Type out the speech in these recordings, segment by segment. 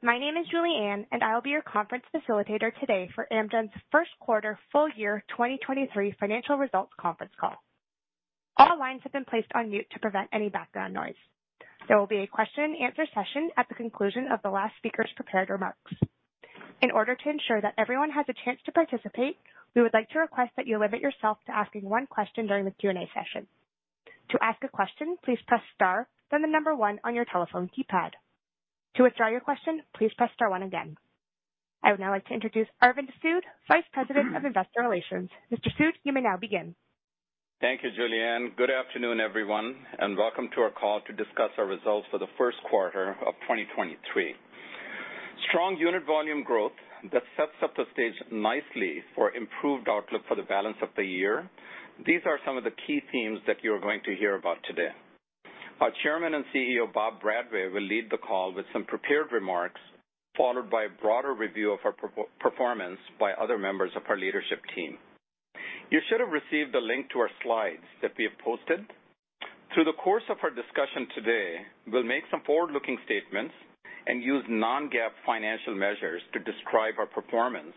My name is Julianne, and I will be your conference facilitator today for Amgen's first quarter full year 2023 financial results conference call. All lines have been placed on mute to prevent any background noise. There will be a question and answer session at the conclusion of the last speaker's prepared remarks. In order to ensure that everyone has a chance to participate, we would like to request that you limit yourself to asking one question during the Q&A session. To ask a question, please press star, then the number one on your telephone keypad. To withdraw your question, please press star one again. I would now like to introduce Arvind Sood, Vice President of Investor Relations. Mr. Sood, you may now begin. Thank you, Julianne. Good afternoon, everyone, welcome to our call to discuss our results for the first quarter of 2023. Strong unit volume growth that sets up the stage nicely for improved outlook for the balance of the year. These are some of the key themes that you are going to hear about today. Our Chairman and CEO, Bob Bradway, will lead the call with some prepared remarks, followed by a broader review of our performance by other members of our leadership team. You should have received a link to our slides that we have posted. Through the course of our discussion today, we'll make some forward-looking statements and use non-GAAP financial measures to describe our performance,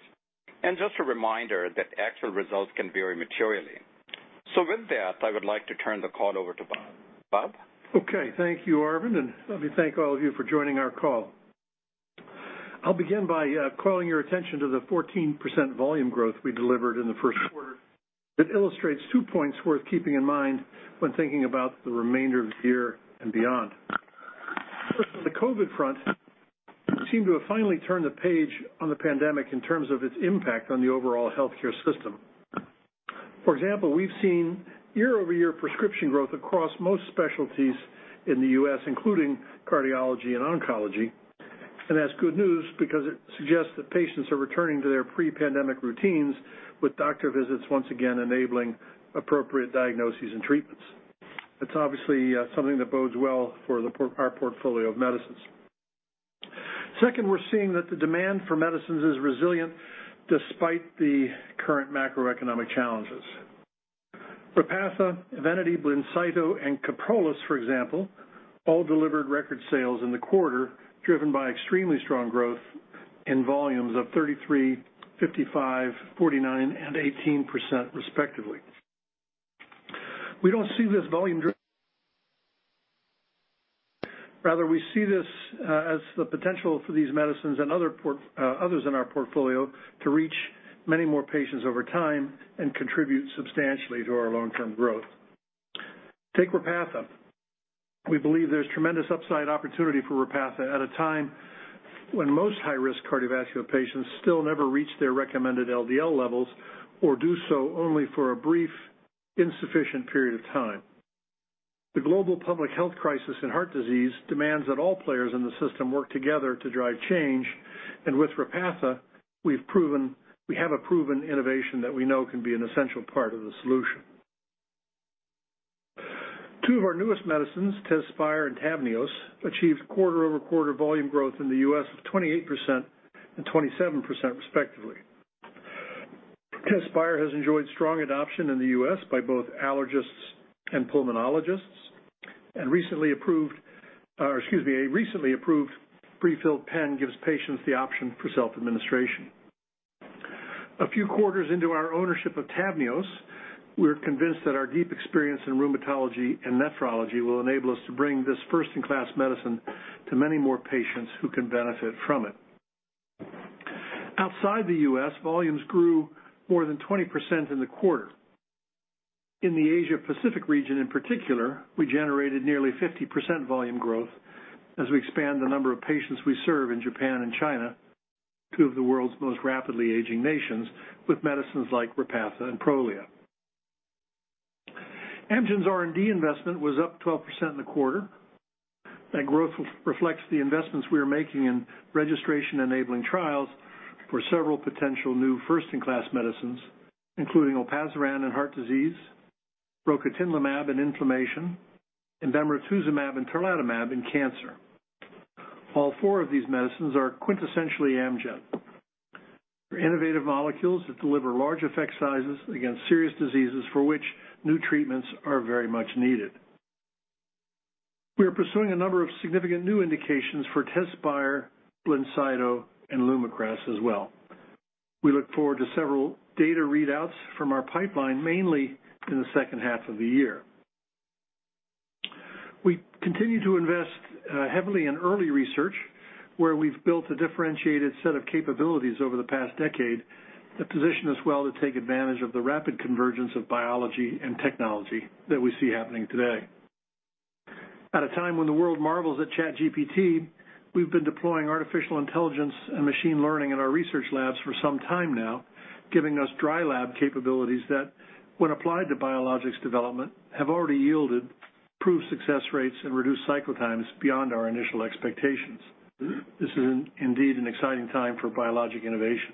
just a reminder that actual results can vary materially. With that, I would like to turn the call over to Bob. Bob? Okay, thank you, Arvind, and let me thank all of you for joining our call. I'll begin by calling your attention to the 14% volume growth we delivered in the first quarter that illustrates two points worth keeping in mind when thinking about the remainder of the year and beyond. First, on the COVID front, we seem to have finally turned the page on the pandemic in terms of its impact on the overall healthcare system. For example, we've seen year-over-year prescription growth across most specialties in the U.S., including cardiology and oncology. That's good news because it suggests that patients are returning to their pre-pandemic routines with doctor visits once again enabling appropriate diagnoses and treatments. That's obviously something that bodes well for our portfolio of medicines. Second, we're seeing that the demand for medicines is resilient despite the current macroeconomic challenges. Repatha, EVENITY, BLINCYTO, and KYPROLIS, for example, all delivered record sales in the quarter, driven by extremely strong growth in volumes of 33%, 55%, 49%, and 18%, respectively. We don't see this volume. Rather, we see this as the potential for these medicines and others in our portfolio to reach many more patients over time and contribute substantially to our long-term growth. Take Repatha. We believe there's tremendous upside opportunity for Repatha at a time when most high-risk cardiovascular patients still never reach their recommended LDL levels or do so only for a brief, insufficient period of time. The global public health crisis in heart disease demands that all players in the system work together to drive change. With Repatha, we have a proven innovation that we know can be an essential part of the solution. Two of our newest medicines, TEZSPIRE and TAVNEOS, achieved quarter-over-quarter volume growth in the U.S. of 28% and 27% respectively. TEZSPIRE has enjoyed strong adoption in the U.S. by both allergists and pulmonologists, a recently approved prefilled pen gives patients the option for self-administration. A few quarters into our ownership of TAVNEOS, we're convinced that our deep experience in rheumatology and nephrology will enable us to bring this first-in-class medicine to many more patients who can benefit from it. Outside the U.S., volumes grew more than 20% in the quarter. In the Asia-Pacific region in particular, we generated nearly 50% volume growth as we expand the number of patients we serve in Japan and China, two of the world's most rapidly aging nations, with medicines like Repatha and Prolia. Amgen's R&D investment was up 12% in the quarter. That growth reflects the investments we are making in registration-enabling trials for several potential new first-in-class medicines, including olpasiran in heart disease, rocatinlimab in inflammation, embamrotuzumab and tarlatamab in cancer. All four of these medicines are quintessentially Amgen. They're innovative molecules that deliver large effect sizes against serious diseases for which new treatments are very much needed. We are pursuing a number of significant new indications for TEZSPIRE, BLINCYTO, and LUMAKRAS as well. We look forward to several data readouts from our pipeline, mainly in the second half of the year. We continue to invest heavily in early research, where we've built a differentiated set of capabilities over the past decade that position us well to take advantage of the rapid convergence of biology and technology that we see happening today. At a time when the world marvels at ChatGPT, we've been deploying artificial intelligence and machine learning in our research labs for some time now, giving us dry lab capabilities that, when applied to biologics development, have already yielded improved success rates and reduced cycle times beyond our initial expectations. This is indeed an exciting time for biologic innovation.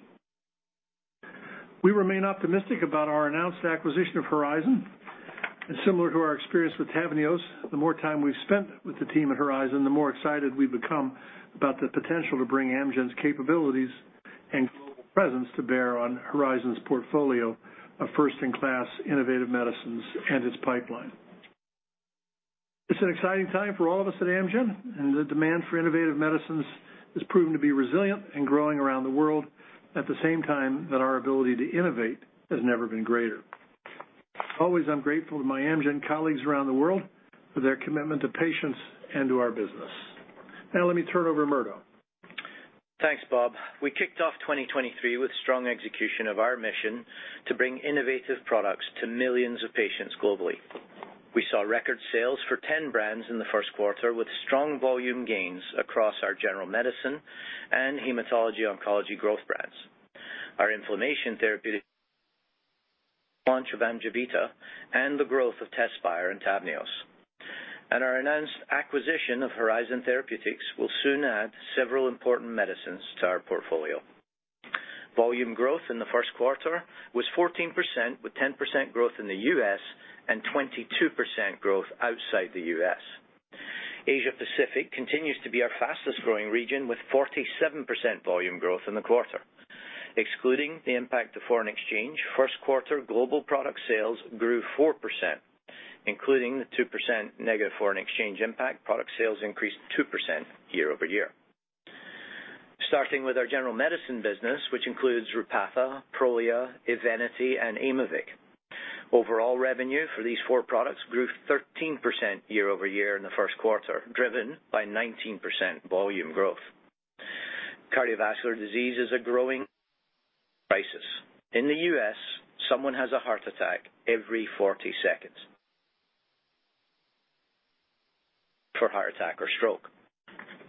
We remain optimistic about our announced acquisition of Horizon. Similar to our experience with TAVNEOS, the more time we've spent with the team at Horizon, the more excited we've become about the potential to bring Amgen's capabilities and global presence to bear on Horizon's portfolio of first-in-class innovative medicines and its pipeline. It's an exciting time for all of us at Amgen. The demand for innovative medicines has proven to be resilient and growing around the world at the same time that our ability to innovate has never been greater. Always, I'm grateful to my Amgen colleagues around the world for their commitment to patients and to our business. Let me turn it over to Murdo. Thanks, Bob. We kicked off 2023 with strong execution of our mission to bring innovative products to millions of patients globally. We saw record sales for 10 brands in the first quarter, with strong volume gains across our general medicine and hematology oncology growth brands, our inflammation therapeutic launch of AMJEVITA and the growth of TEZSPIRE and TAVNEOS. Our announced acquisition of Horizon Therapeutics will soon add several important medicines to our portfolio. Volume growth in the first quarter was 14%, with 10% growth in the US and 22% growth outside the US. Asia Pacific continues to be our fastest-growing region, with 47% volume growth in the quarter. Excluding the impact of foreign exchange, first quarter global product sales grew 4%, including the 2% negative foreign exchange impact, product sales increased 2% year-over-year. Starting with our general medicine business, which includes Repatha, Prolia, EVENITY and Aimovig. Overall revenue for these four products grew 13% year-over-year in the first quarter, driven by 19% volume growth. Cardiovascular disease is a growing crisis. In the U.S., someone has a heart attack every 40 seconds. for heart attack or stroke.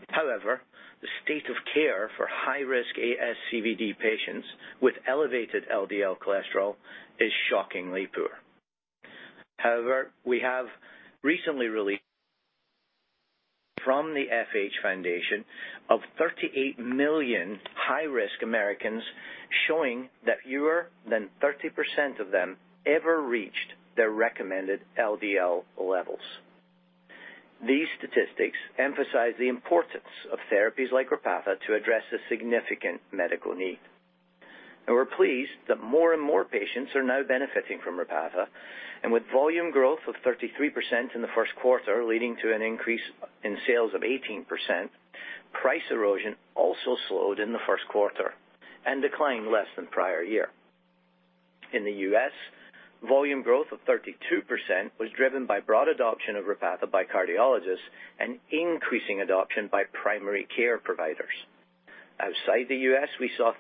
However, the state of care for high-risk ASCVD patients with elevated LDL cholesterol is shockingly poor. However, we have recently released from the FH Foundation of 38 million high-risk Americans, showing that fewer than 30% of them ever reached their recommended LDL levels. These statistics emphasize the importance of therapies like Repatha to address a significant medical need. We're pleased that more and more patients are now benefiting from Repatha, and with volume growth of 33% in the first quarter, leading to an increase in sales of 18%, price erosion also slowed in the first quarter and declined less than prior year. In the U.S., volume growth of 32% was driven by broad adoption of Repatha by cardiologists and increasing adoption by primary care providers. Outside the U.S., we saw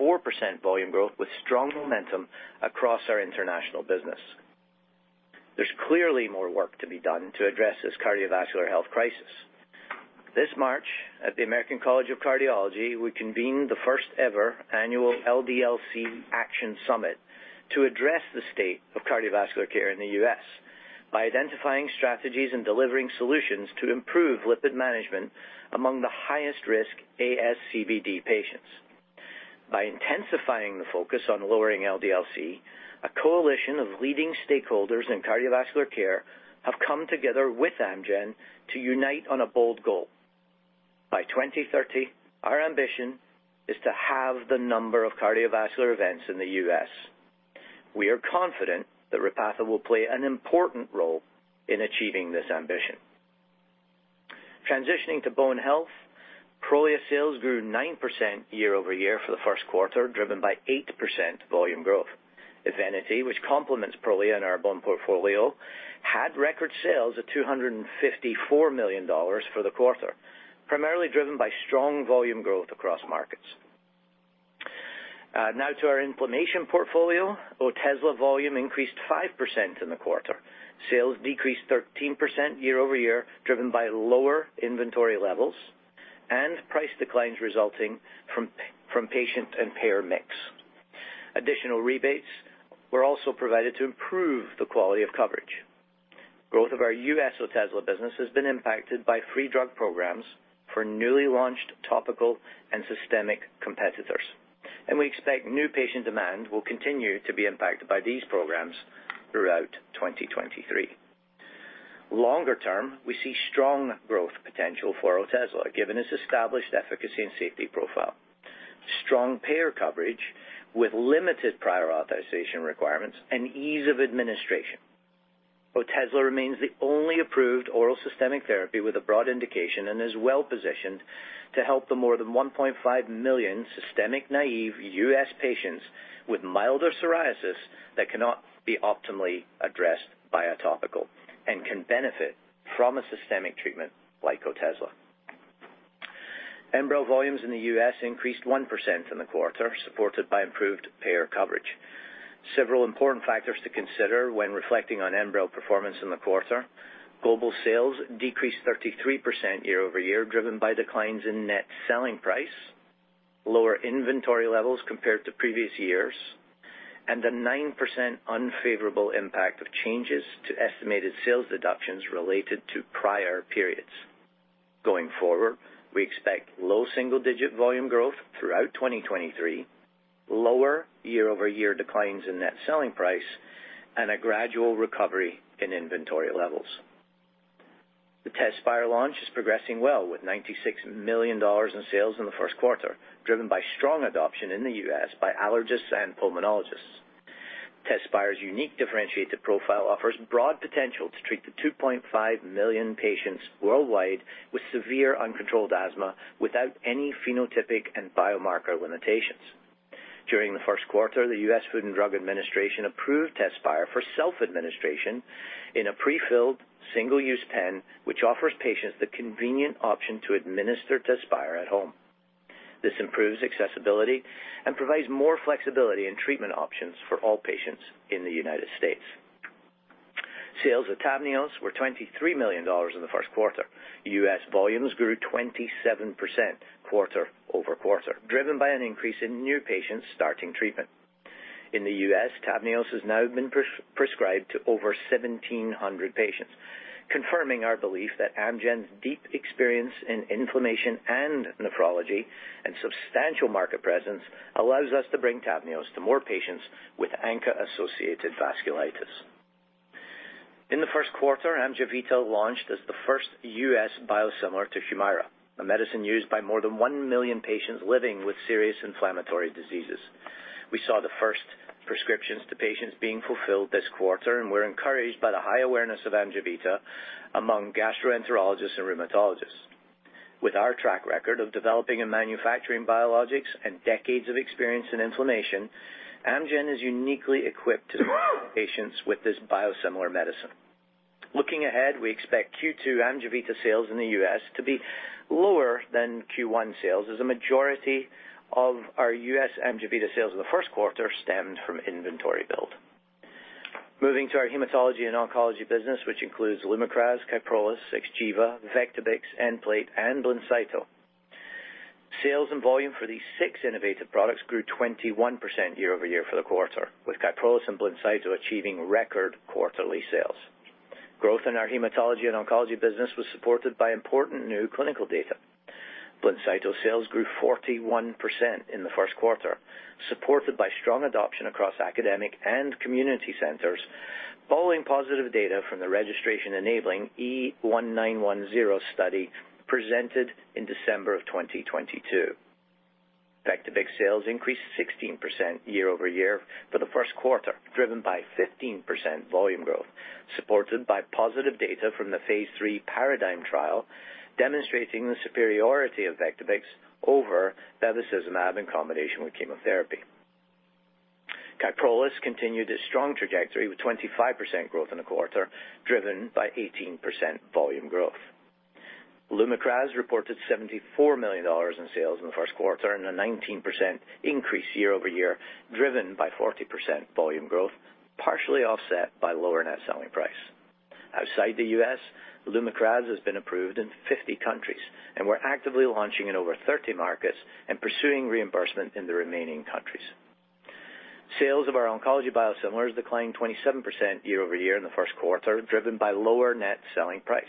34% volume growth with strong momentum across our international business. There's clearly more work to be done to address this cardiovascular health crisis. This March, at the American College of Cardiology, we convened the first-ever annual LDL-C Action Summit to address the state of cardiovascular care in the U.S. by identifying strategies and delivering solutions to improve lipid management among the highest-risk ASCVD patients. By intensifying the focus on lowering LDL-C, a coalition of leading stakeholders in cardiovascular care have come together with Amgen to unite on a bold goal. By 2030, our ambition is to halve the number of cardiovascular events in the U.S. We are confident that Repatha will play an important role in achieving this ambition. Transitioning to bone health, Prolia sales grew 9% year-over-year for the first quarter, driven by 8% volume growth. EVENITY, which complements Prolia in our bone portfolio, had record sales at $254 million for the quarter, primarily driven by strong volume growth across markets. Now to our inflammation portfolio. Otezla volume increased 5% in the quarter. Sales decreased 13% year-over-year, driven by lower inventory levels and price declines resulting from patient and payer mix. Additional rebates were also provided to improve the quality of coverage. Growth of our US Otezla business has been impacted by free drug programs for newly launched topical and systemic competitors, and we expect new patient demand will continue to be impacted by these programs throughout 2023. Longer term, we see strong growth potential for Otezla, given its established efficacy and safety profile, strong payer coverage with limited prior authorization requirements, and ease of administration. Otezla remains the only approved oral systemic therapy with a broad indication and is well-positioned to help the more than 1.5 million systemic naive US patients with milder psoriasis that cannot be optimally addressed by a topical and can benefit from a systemic treatment like Otezla. Enbrel volumes in the U.S. increased 1% in the quarter, supported by improved payer coverage. Several important factors to consider when reflecting on Enbrel performance in the quarter. Global sales decreased 33% year-over-year, driven by declines in net selling price, lower inventory levels compared to previous years, and a 9% unfavorable impact of changes to estimated sales deductions related to prior periods. Going forward, we expect low single-digit volume growth throughout 2023, lower year-over-year declines in net selling price, and a gradual recovery in inventory levels. The TEZSPIRE launch is progressing well with $96 million in sales in the first quarter, driven by strong adoption in the U.S. by allergists and pulmonologists. TEZSPIRE's unique differentiated profile offers broad potential to treat the 2.5 million patients worldwide with severe uncontrolled asthma without any phenotypic and biomarker limitations. During the first quarter, the U.S. Food and Drug Administration approved TEZSPIRE for self-administration in a prefilled single-use pen, which offers patients the convenient option to administer TEZSPIRE at home. This improves accessibility and provides more flexibility in treatment options for all patients in the United States. Sales of TAVNEOS were $23 million in the first quarter. U.S. volumes grew 27% quarter-over-quarter, driven by an increase in new patients starting treatment. In the U.S., TAVNEOS has now been prescribed to over 1,700 patients, confirming our belief that Amgen's deep experience in inflammation and nephrology and substantial market presence allows us to bring TAVNEOS to more patients with ANCA-associated vasculitis. In the first quarter, AMJEVITA launched as the first U.S. biosimilar to Humira, a medicine used by more than 1 million patients living with serious inflammatory diseases. We saw the first prescriptions to patients being fulfilled this quarter, and we're encouraged by the high awareness of AMJEVITA among gastroenterologists and rheumatologists. With our track record of developing and manufacturing biologics and decades of experience in inflammation, Amgen is uniquely equipped to patients with this biosimilar medicine. Looking ahead, we expect Q2 AMJEVITA sales in the US to be lower than Q1 sales as a majority of our US AMJEVITA sales in the first quarter stemmed from inventory build. Moving to our Hematology and Oncology business, which includes LUMAKRAS, KYPROLIS, Xgeva, Vectibix, Nplate, and BLINCYTO. Sales and volume for these six innovative products grew 21% year-over-year for the quarter, with KYPROLIS and BLINCYTO achieving record quarterly sales. Growth in our Hematology and Oncology business was supported by important new clinical data. BLINCYTO sales grew 41% in the first quarter, supported by strong adoption across academic and community centers following positive data from the registration-enabling E1910 study presented in December 2022. Vectibix sales increased 16% year-over-year for the first quarter, driven by 15% volume growth, supported by positive data from the phase 3 PARADIGM trial, demonstrating the superiority of Vectibix over bevacizumab in combination with chemotherapy. KYPROLIS continued its strong trajectory with 25% growth in the quarter, driven by 18% volume growth. LUMAKRAS reported $74 million in sales in the first quarter and a 19% increase year-over-year, driven by 40% volume growth, partially offset by lower net selling price. Outside the U.S., LUMAKRAS has been approved in 50 countries, and we're actively launching in over 30 markets and pursuing reimbursement in the remaining countries. Sales of our Oncology biosimilars declined 27% year-over-year in the first quarter, driven by lower net selling price.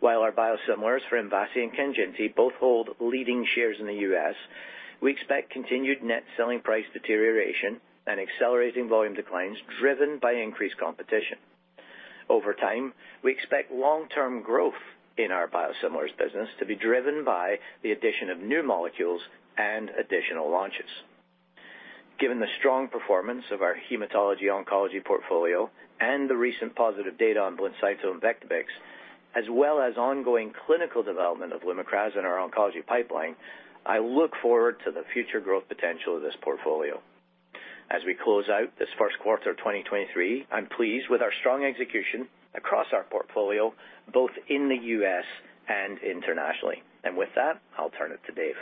While our biosimilars for Mvasi and Kanjinti both hold leading shares in the U.S., we expect continued net selling price deterioration and accelerating volume declines driven by increased competition. Over time, we expect long-term growth in our biosimilars business to be driven by the addition of new molecules and additional launches. Given the strong performance of our Hematology Oncology portfolio and the recent positive data on BLINCYTO and Vectibix, as well as ongoing clinical development of LUMAKRAS in our Oncology pipeline, I look forward to the future growth potential of this portfolio. As we close out this first quarter of 2023, I'm pleased with our strong execution across our portfolio, both in the U.S and internationally. With that, I'll turn it to Dave.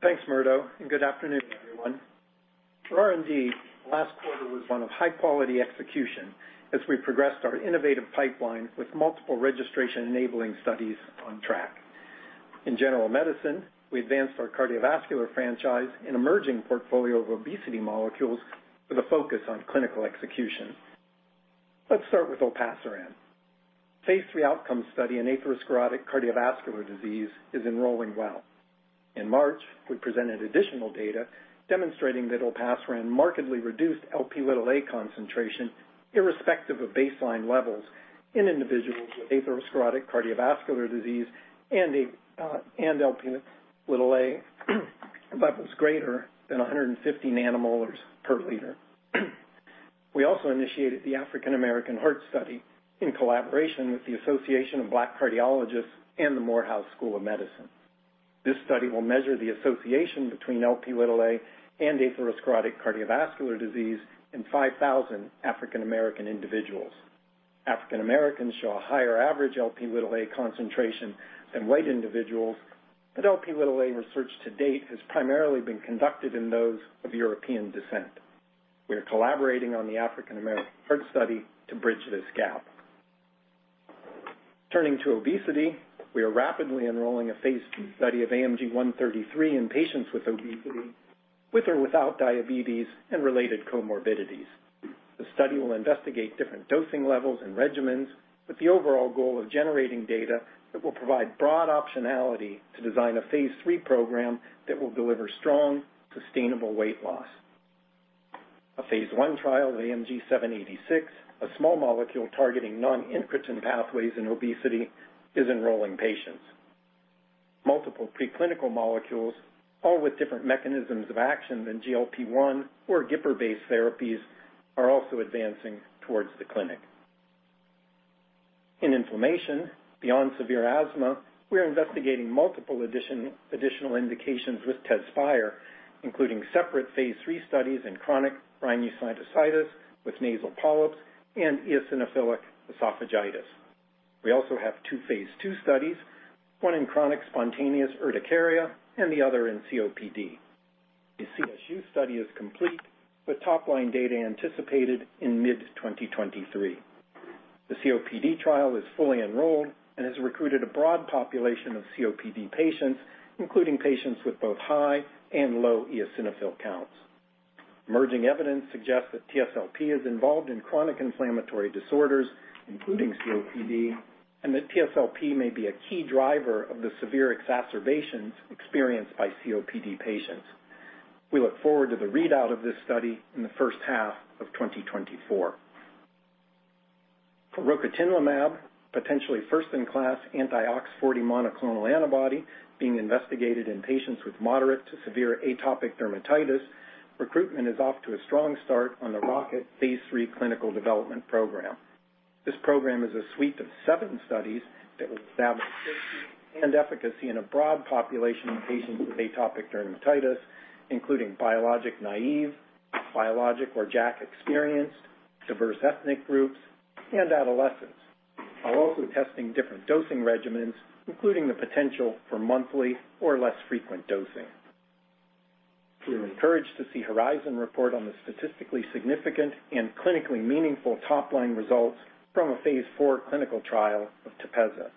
Thanks, Murdo, and good afternoon, everyone. For R&D, last quarter was one of high-quality execution as we progressed our innovative pipeline with multiple registration-enabling studies on track. In general medicine, we advanced our cardiovascular franchise and emerging portfolio of obesity molecules with a focus on clinical execution. Let's start with Olpasiran. phase three outcome study in atherosclerotic cardiovascular disease is enrolling well. In March, we presented additional data demonstrating that Olpasiran markedly reduced Lp concentration irrespective of baseline levels in individuals with atherosclerotic cardiovascular disease and Lp levels greater than 150 nanomolars per liter. We also initiated the African American Heart Study in collaboration with the Association of Black Cardiologists and the Morehouse School of Medicine. This study will measure the association between Lp and atherosclerotic cardiovascular disease in 5,000 African American individuals. African Americans show a higher average Lp(a) concentration than white individuals, but Lp(a) research to date has primarily been conducted in those of European descent. We are collaborating on the African American Heart Study to bridge this gap. Turning to obesity, we are rapidly enrolling a phase 2 study of AMG 133 in patients with obesity with or without diabetes and related comorbidities. The study will investigate different dosing levels and regimens, with the overall goal of generating data that will provide broad optionality to design a phase 3 program that will deliver strong, sustainable weight loss. A phase 1 trial of AMG 786, a small molecule targeting non-incretin pathways in obesity, is enrolling patients. Multiple preclinical molecules, all with different mechanisms of action than GLP-1 or GIP-based therapies, are also advancing towards the clinic. In inflammation, beyond severe asthma, we are investigating multiple additional indications with TEZSPIRE, including separate phase 3 studies in chronic rhinosinusitis with nasal polyps and eosinophilic esophagitis. We also have two phase 2 studies, one in chronic spontaneous urticaria and the other in COPD. The CSU study is complete with top-line data anticipated in mid 2023. The COPD trial is fully enrolled and has recruited a broad population of COPD patients, including patients with both high and low eosinophil counts. Emerging evidence suggests that TSLP is involved in chronic inflammatory disorders, including COPD, and that TSLP may be a key driver of the severe exacerbations experienced by COPD patients. We look forward to the readout of this study in the first half of 2024. For rocatinlimab, potentially first-in-class anti-OX40 monoclonal antibody being investigated in patients with moderate to severe atopic dermatitis, recruitment is off to a strong start on the ROCKET phase 3 clinical development program. This program is a suite of seven studies that will establish safety and efficacy in a broad population of patients with atopic dermatitis, including biologic naive, biologic or JAK-experienced, diverse ethnic groups, and adolescents, while also testing different dosing regimens, including the potential for monthly or less frequent dosing. We were encouraged to see Horizon report on the statistically significant and clinically meaningful top-line results from a phase 4 clinical trial of TEPEZZA.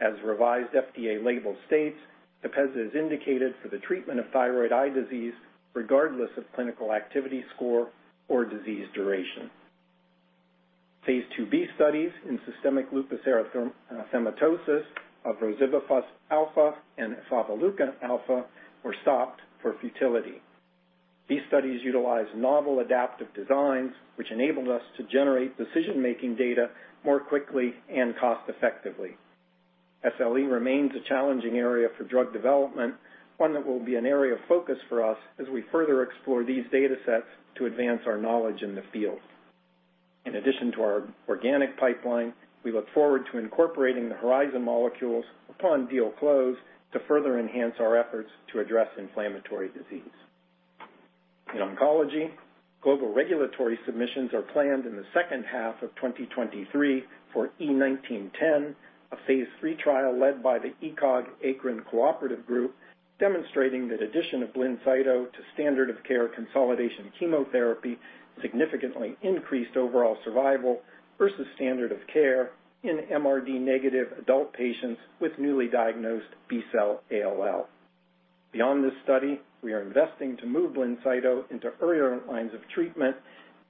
As revised FDA label states, TEPEZZA is indicated for the treatment of thyroid eye disease regardless of clinical activity score or disease duration. Phase 2b studies in systemic lupus erythematosus of rozibafusp alfa and efavaleukin alfa were stopped for futility. These studies utilize novel adaptive designs, which enabled us to generate decision-making data more quickly and cost effectively. SLE remains a challenging area for drug development, one that will be an area of focus for us as we further explore these datasets to advance our knowledge in the field. In addition to our organic pipeline, we look forward to incorporating the Horizon molecules upon deal close to further enhance our efforts to address inflammatory disease. In oncology, global regulatory submissions are planned in the second half of 2023 for E1910, a phase 3 trial led by the ECOG-ACRIN Cancer Research Group, demonstrating that addition of BLINCYTO to standard of care consolidation chemotherapy significantly increased overall survival versus standard of care in MRD negative adult patients with newly diagnosed B-cell ALL. Beyond this study, we are investing to move BLINCYTO into earlier lines of treatment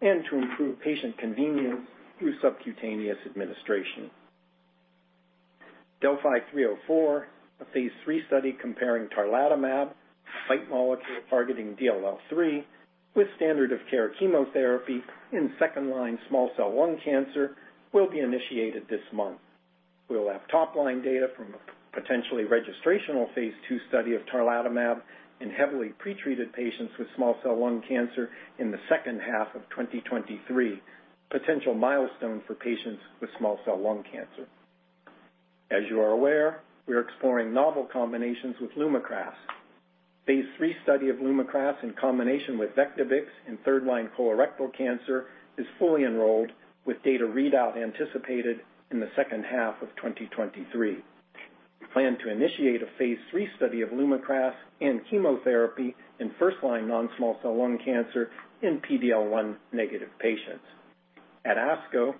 and to improve patient convenience through subcutaneous administration. DeLLphi-304, a phase 3 study comparing tarlatamab, a BiTE molecule targeting DLL3 with standard of care chemotherapy in second line small cell lung cancer, will be initiated this month. We'll have top-line data from a potentially registrational phase 2 study of tarlatamab in heavily pretreated patients with small cell lung cancer in the second half of 2023. Potential milestone for patients with small cell lung cancer. As you are aware, we are exploring novel combinations with LUMAKRAS. Phase 3 study of LUMAKRAS in combination with Vectibix in third line colorectal cancer is fully enrolled with data readout anticipated in the second half of 2023. We plan to initiate a phase 3 study of LUMAKRAS and chemotherapy in first-line non-small cell lung cancer in PD-L1 negative patients. At ASCO,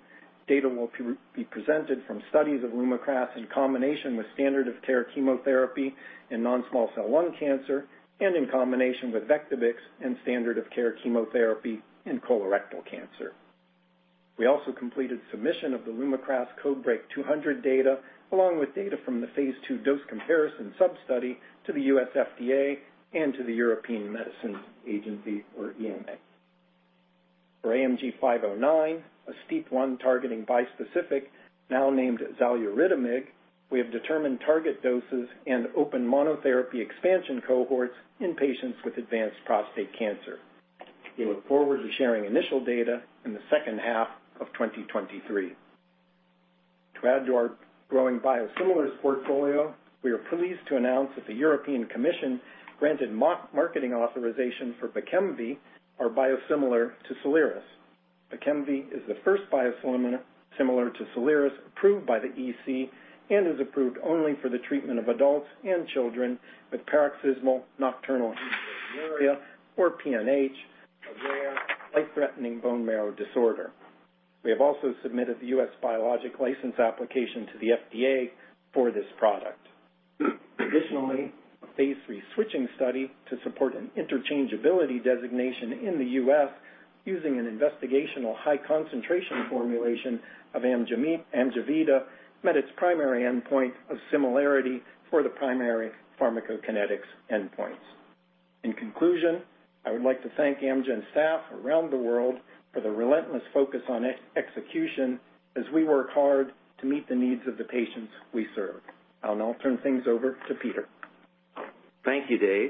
data will be presented from studies of LUMAKRAS in combination with standard of care chemotherapy in non-small cell lung cancer and in combination with Vectibix and standard of care chemotherapy in colorectal cancer. We also completed submission of the LUMAKRAS CodeBreaK 200 data, along with data from the phase 2 dose comparison sub-study to the US FDA and to the European Medicines Agency, or EMA. For AMG 509, a STEAP1 targeting bispecific, now named xaluritamig, we have determined target doses and opened monotherapy expansion cohorts in patients with advanced prostate cancer. We look forward to sharing initial data in the second half of 2023. To add to our growing biosimilars portfolio, we are pleased to announce that the European Commission granted marketing authorization for Bekemv, our biosimilar to Soliris. Bekemv is the first biosimilar to Soliris approved by the EC and is approved only for the treatment of adults and children with paroxysmal nocturnal hemoglobinuria or PNH, a rare life-threatening bone marrow disorder. We have also submitted the U.S. biologic license application to the FDA for this product. A phase 3 switching study to support an interchangeability designation in the U.S. using an investigational high concentration formulation of AMJEVITA met its primary endpoint of similarity for the primary pharmacokinetics endpoints. In conclusion, I would like to thank Amgen staff around the world for the relentless focus on execution as we work hard to meet the needs of the patients we serve. I'll now turn things over to Peter. Thank you, Dave.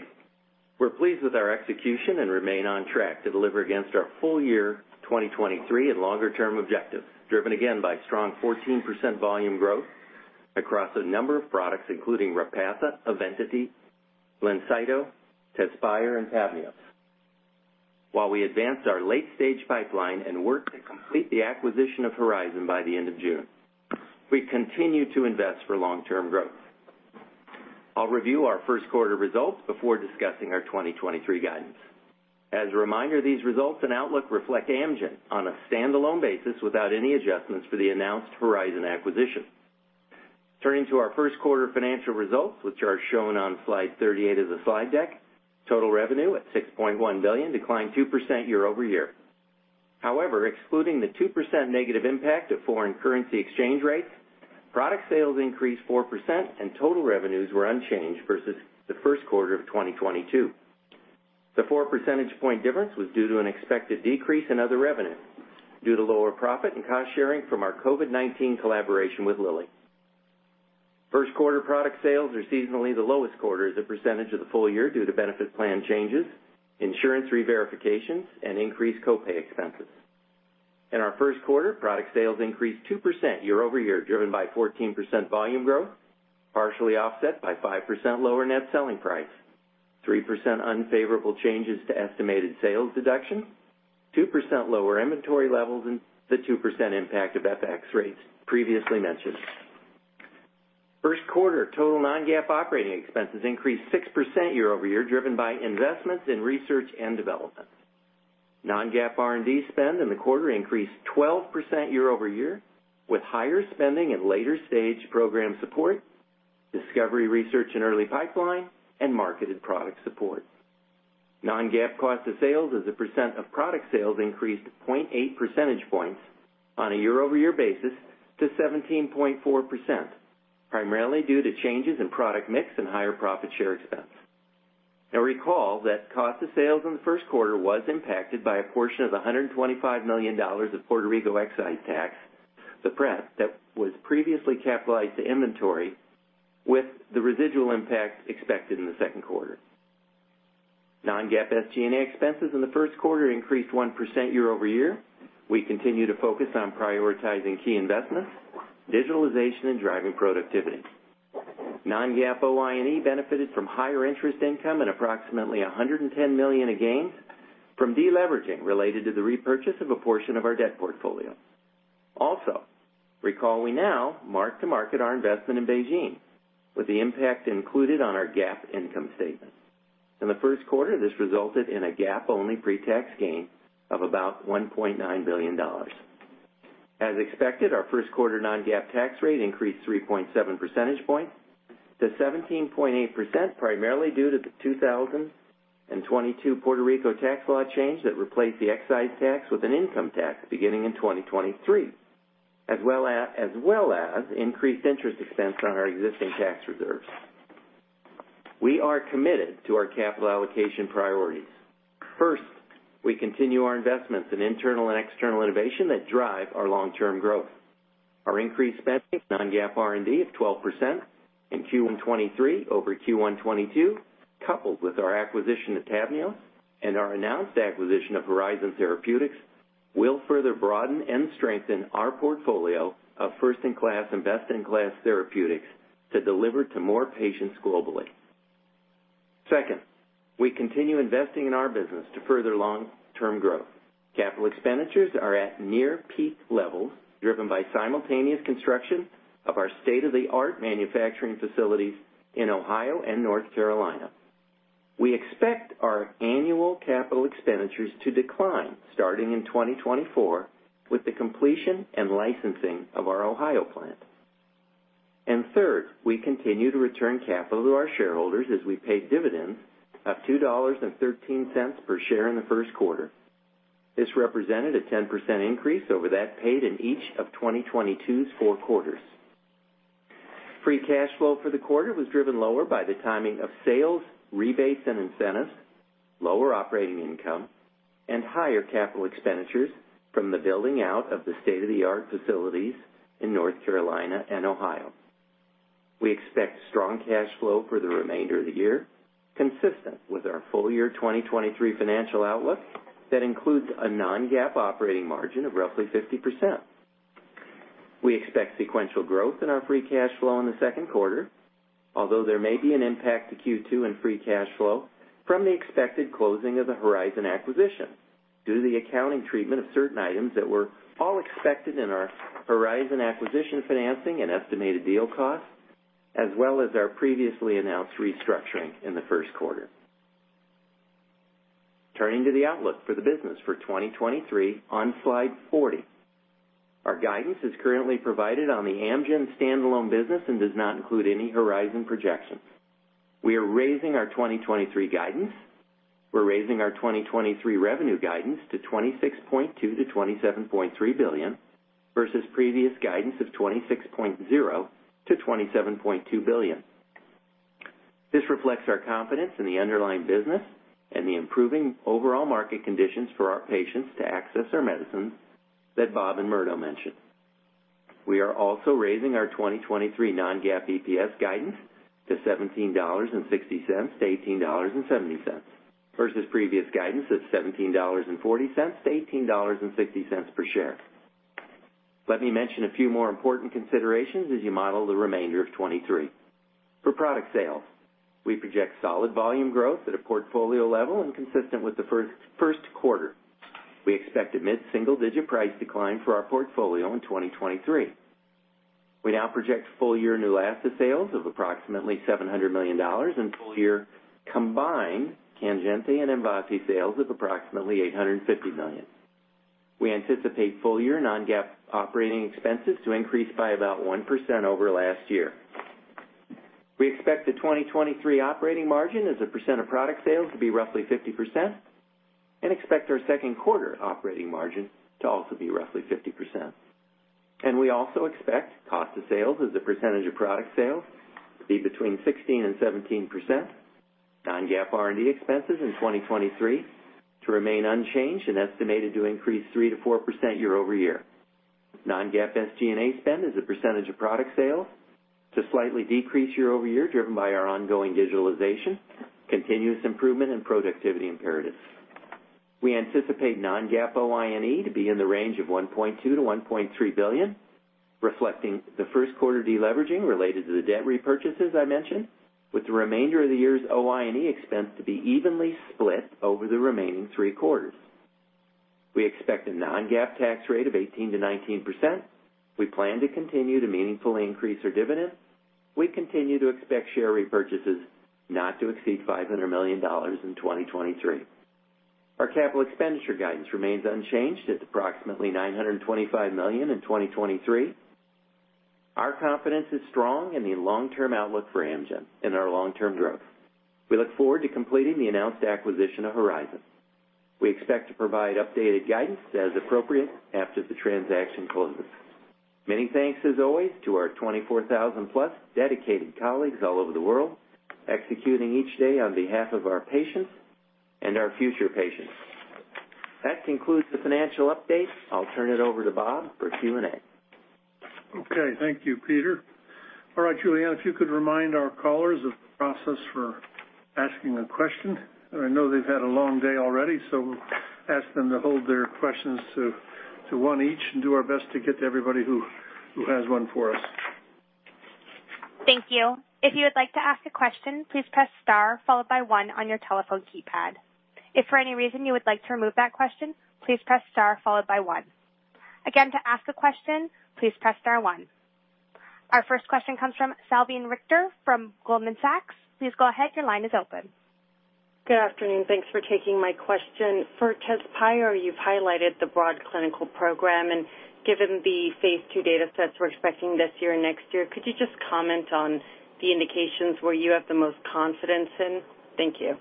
We're pleased with our execution and remain on track to deliver against our full year 2023 and longer-term objectives, driven again by strong 14% volume growth across a number of products, including Repatha, EVENITY, BLINCYTO, TEZSPIRE, and TAVNEOS. While we advance our late-stage pipeline and work to complete the acquisition of Horizon by the end of June, we continue to invest for long-term growth. I'll review our first quarter results before discussing our 2023 guidance. As a reminder, these results and outlook reflect Amgen on a standalone basis without any adjustments for the announced Horizon acquisition. Turning to our first quarter financial results, which are shown on slide 38 of the slide deck, total revenue at $6.1 billion declined 2% year-over-year. However, excluding the 2% negative impact of foreign currency exchange rates, product sales increased 4% and total revenues were unchanged versus the first quarter of 2022. The four percentage point difference was due to an expected decrease in other revenue due to lower profit and cost sharing from our COVID-19 collaboration with Lilly. First quarter product sales are seasonally the lowest quarter as a percentage of the full year due to benefit plan changes, insurance reverifications, and increased co-pay expenses. In our first quarter, product sales increased 2% year-over-year, driven by 14% volume growth, partially offset by 5% lower net selling price, 3% unfavorable changes to estimated sales deduction, 2% lower inventory levels, and the 2% impact of FX rates previously mentioned. First quarter total non-GAAP operating expenses increased 6% year-over-year, driven by investments in research and development. Non-GAAP R&D spend in the quarter increased 12% year-over-year, with higher spending in later-stage program support, discovery research and early pipeline, and marketed product support. Non-GAAP cost of sales as a percent of product sales increased 0.8 percentage points on a year-over-year basis to 17.4%, primarily due to changes in product mix and higher profit share expense. Recall that cost of sales in the first quarter was impacted by a portion of the $125 million of Puerto Rico excise tax, the PRETA, that was previously capitalized to inventory, with the residual impact expected in the second quarter. Non-GAAP SG&A expenses in the first quarter increased 1% year-over-year. We continue to focus on prioritizing key investments, digitalization, and driving productivity. Non-GAAP OI&E benefited from higher interest income and approximately $110 million of gains from deleveraging related to the repurchase of a portion of our debt portfolio. Also, recall we now mark to market our investment in BeiGene, with the impact included on our GAAP income statement. In the first quarter, this resulted in a GAAP-only pre-tax gain of about $1.9 billion. As expected, our first quarter non-GAAP tax rate increased 3.7 percentage points to 17.8%, primarily due to the 2022 Puerto Rico tax law change that replaced the excise tax with an income tax beginning in 2023, as well as increased interest expense on our existing tax reserves. We are committed to our capital allocation priorities. First, we continue our investments in internal and external innovation that drive our long-term growth. Our increased spending non-GAAP R&D of 12% in Q1 2023 over Q1 2022, coupled with our acquisition of TAVNEOS and our announced acquisition of Horizon Therapeutics, will further broaden and strengthen our portfolio of first in class and best in class therapeutics to deliver to more patients globally. Second, we continue investing in our business to further long-term growth. Capital expenditures are at near peak levels, driven by simultaneous construction of our state-of-the-art manufacturing facilities in Ohio and North Carolina. We expect our annual capital expenditures to decline starting in 2024 with the completion and licensing of our Ohio plant. Third, we continue to return capital to our shareholders as we paid dividends of $2.13 per share in the first quarter. This represented a 10% increase over that paid in each of 2022's four quarters. Free cash flow for the quarter was driven lower by the timing of sales, rebates and incentives, lower operating income, and higher CapEx from the building out of the state-of-the-art facilities in North Carolina and Ohio. We expect strong cash flow for the remainder of the year, consistent with our full year 2023 financial outlook that includes a non-GAAP operating margin of roughly 50%. We expect sequential growth in our free cash flow in the second quarter, although there may be an impact to Q2 and free cash flow from the expected closing of the Horizon acquisition due to the accounting treatment of certain items that were all expected in our Horizon acquisition financing and estimated deal costs, as well as our previously announced restructuring in the first quarter. Turning to the outlook for the business for 2023 on slide 40. Our guidance is currently provided on the Amgen standalone business and does not include any Horizon projections. We are raising our 2023 guidance. We're raising our 2023 revenue guidance to $26.2 billion-$27.3 billion. Versus previous guidance of $26.0 billion-$27.2 billion. This reflects our confidence in the underlying business and the improving overall market conditions for our patients to access our medicines that Bob and Murdo mentioned. We are also raising our 2023 non-GAAP EPS guidance to $17.60-$18.70 versus previous guidance of $17.40-$18.60 per share. Let me mention a few more important considerations as you model the remainder of 2023. For product sales, we project solid volume growth at a portfolio level and consistent with the first quarter. We expect a mid-single-digit price decline for our portfolio in 2023. We now project full year Neulasta sales of approximately $700 million and full year combined Kanjinti and Mvasi sales of approximately $850 million. We anticipate full-year non-GAAP operating expenses to increase by about 1% over last year. We expect the 2023 operating margin as a percent of product sales to be roughly 50% and expect our second quarter operating margin to also be roughly 50%. We also expect cost of sales as a percentage of product sales to be between 16% and 17%. Non-GAAP R&D expenses in 2023 to remain unchanged and estimated to increase 3%-4% year-over-year. Non-GAAP SG&A spend as a percentage of product sales to slightly decrease year-over-year, driven by our ongoing digitalization, continuous improvement, and productivity imperatives. We anticipate non-GAAP OI&E to be in the range of $1.2 billion-$1.3 billion, reflecting the first quarter deleveraging related to the debt repurchases I mentioned, with the remainder of the year's OI&E expense to be evenly split over the remaining three quarters. We expect a non-GAAP tax rate of 18%-19%. We plan to continue to meaningfully increase our dividend. We continue to expect share repurchases not to exceed $500 million in 2023. Our capital expenditure guidance remains unchanged at approximately $925 million in 2023. Our confidence is strong in the long-term outlook for Amgen and our long-term growth. We look forward to completing the announced acquisition of Horizon. We expect to provide updated guidance as appropriate after the transaction closes. Many thanks as always, to our 24,000 plus dedicated colleagues all over the world, executing each day on behalf of our patients and our future patients. That concludes the financial update. I'll turn it over to Bob for Q&A. Thank you, Peter. Julianne, if you could remind our callers of the process for asking a question. I know they've had a long day already, ask them to hold their questions to one each and do our best to get to everybody who has one for us. Thank you. If you would like to ask a question, please press star followed by one on your telephone keypad. If for any reason you would like to remove that question, please press star followed by one. Again, to ask a question, please press star one. Our first question comes from Salveen Richter from Goldman Sachs. Please go ahead. Your line is open. Good afternoon. Thanks for taking my question. For TEZSPIRE, you've highlighted the broad clinical program. Given the phase 2 datasets we're expecting this year and next year, could you just comment on the indications where you have the most confidence in? Thank you.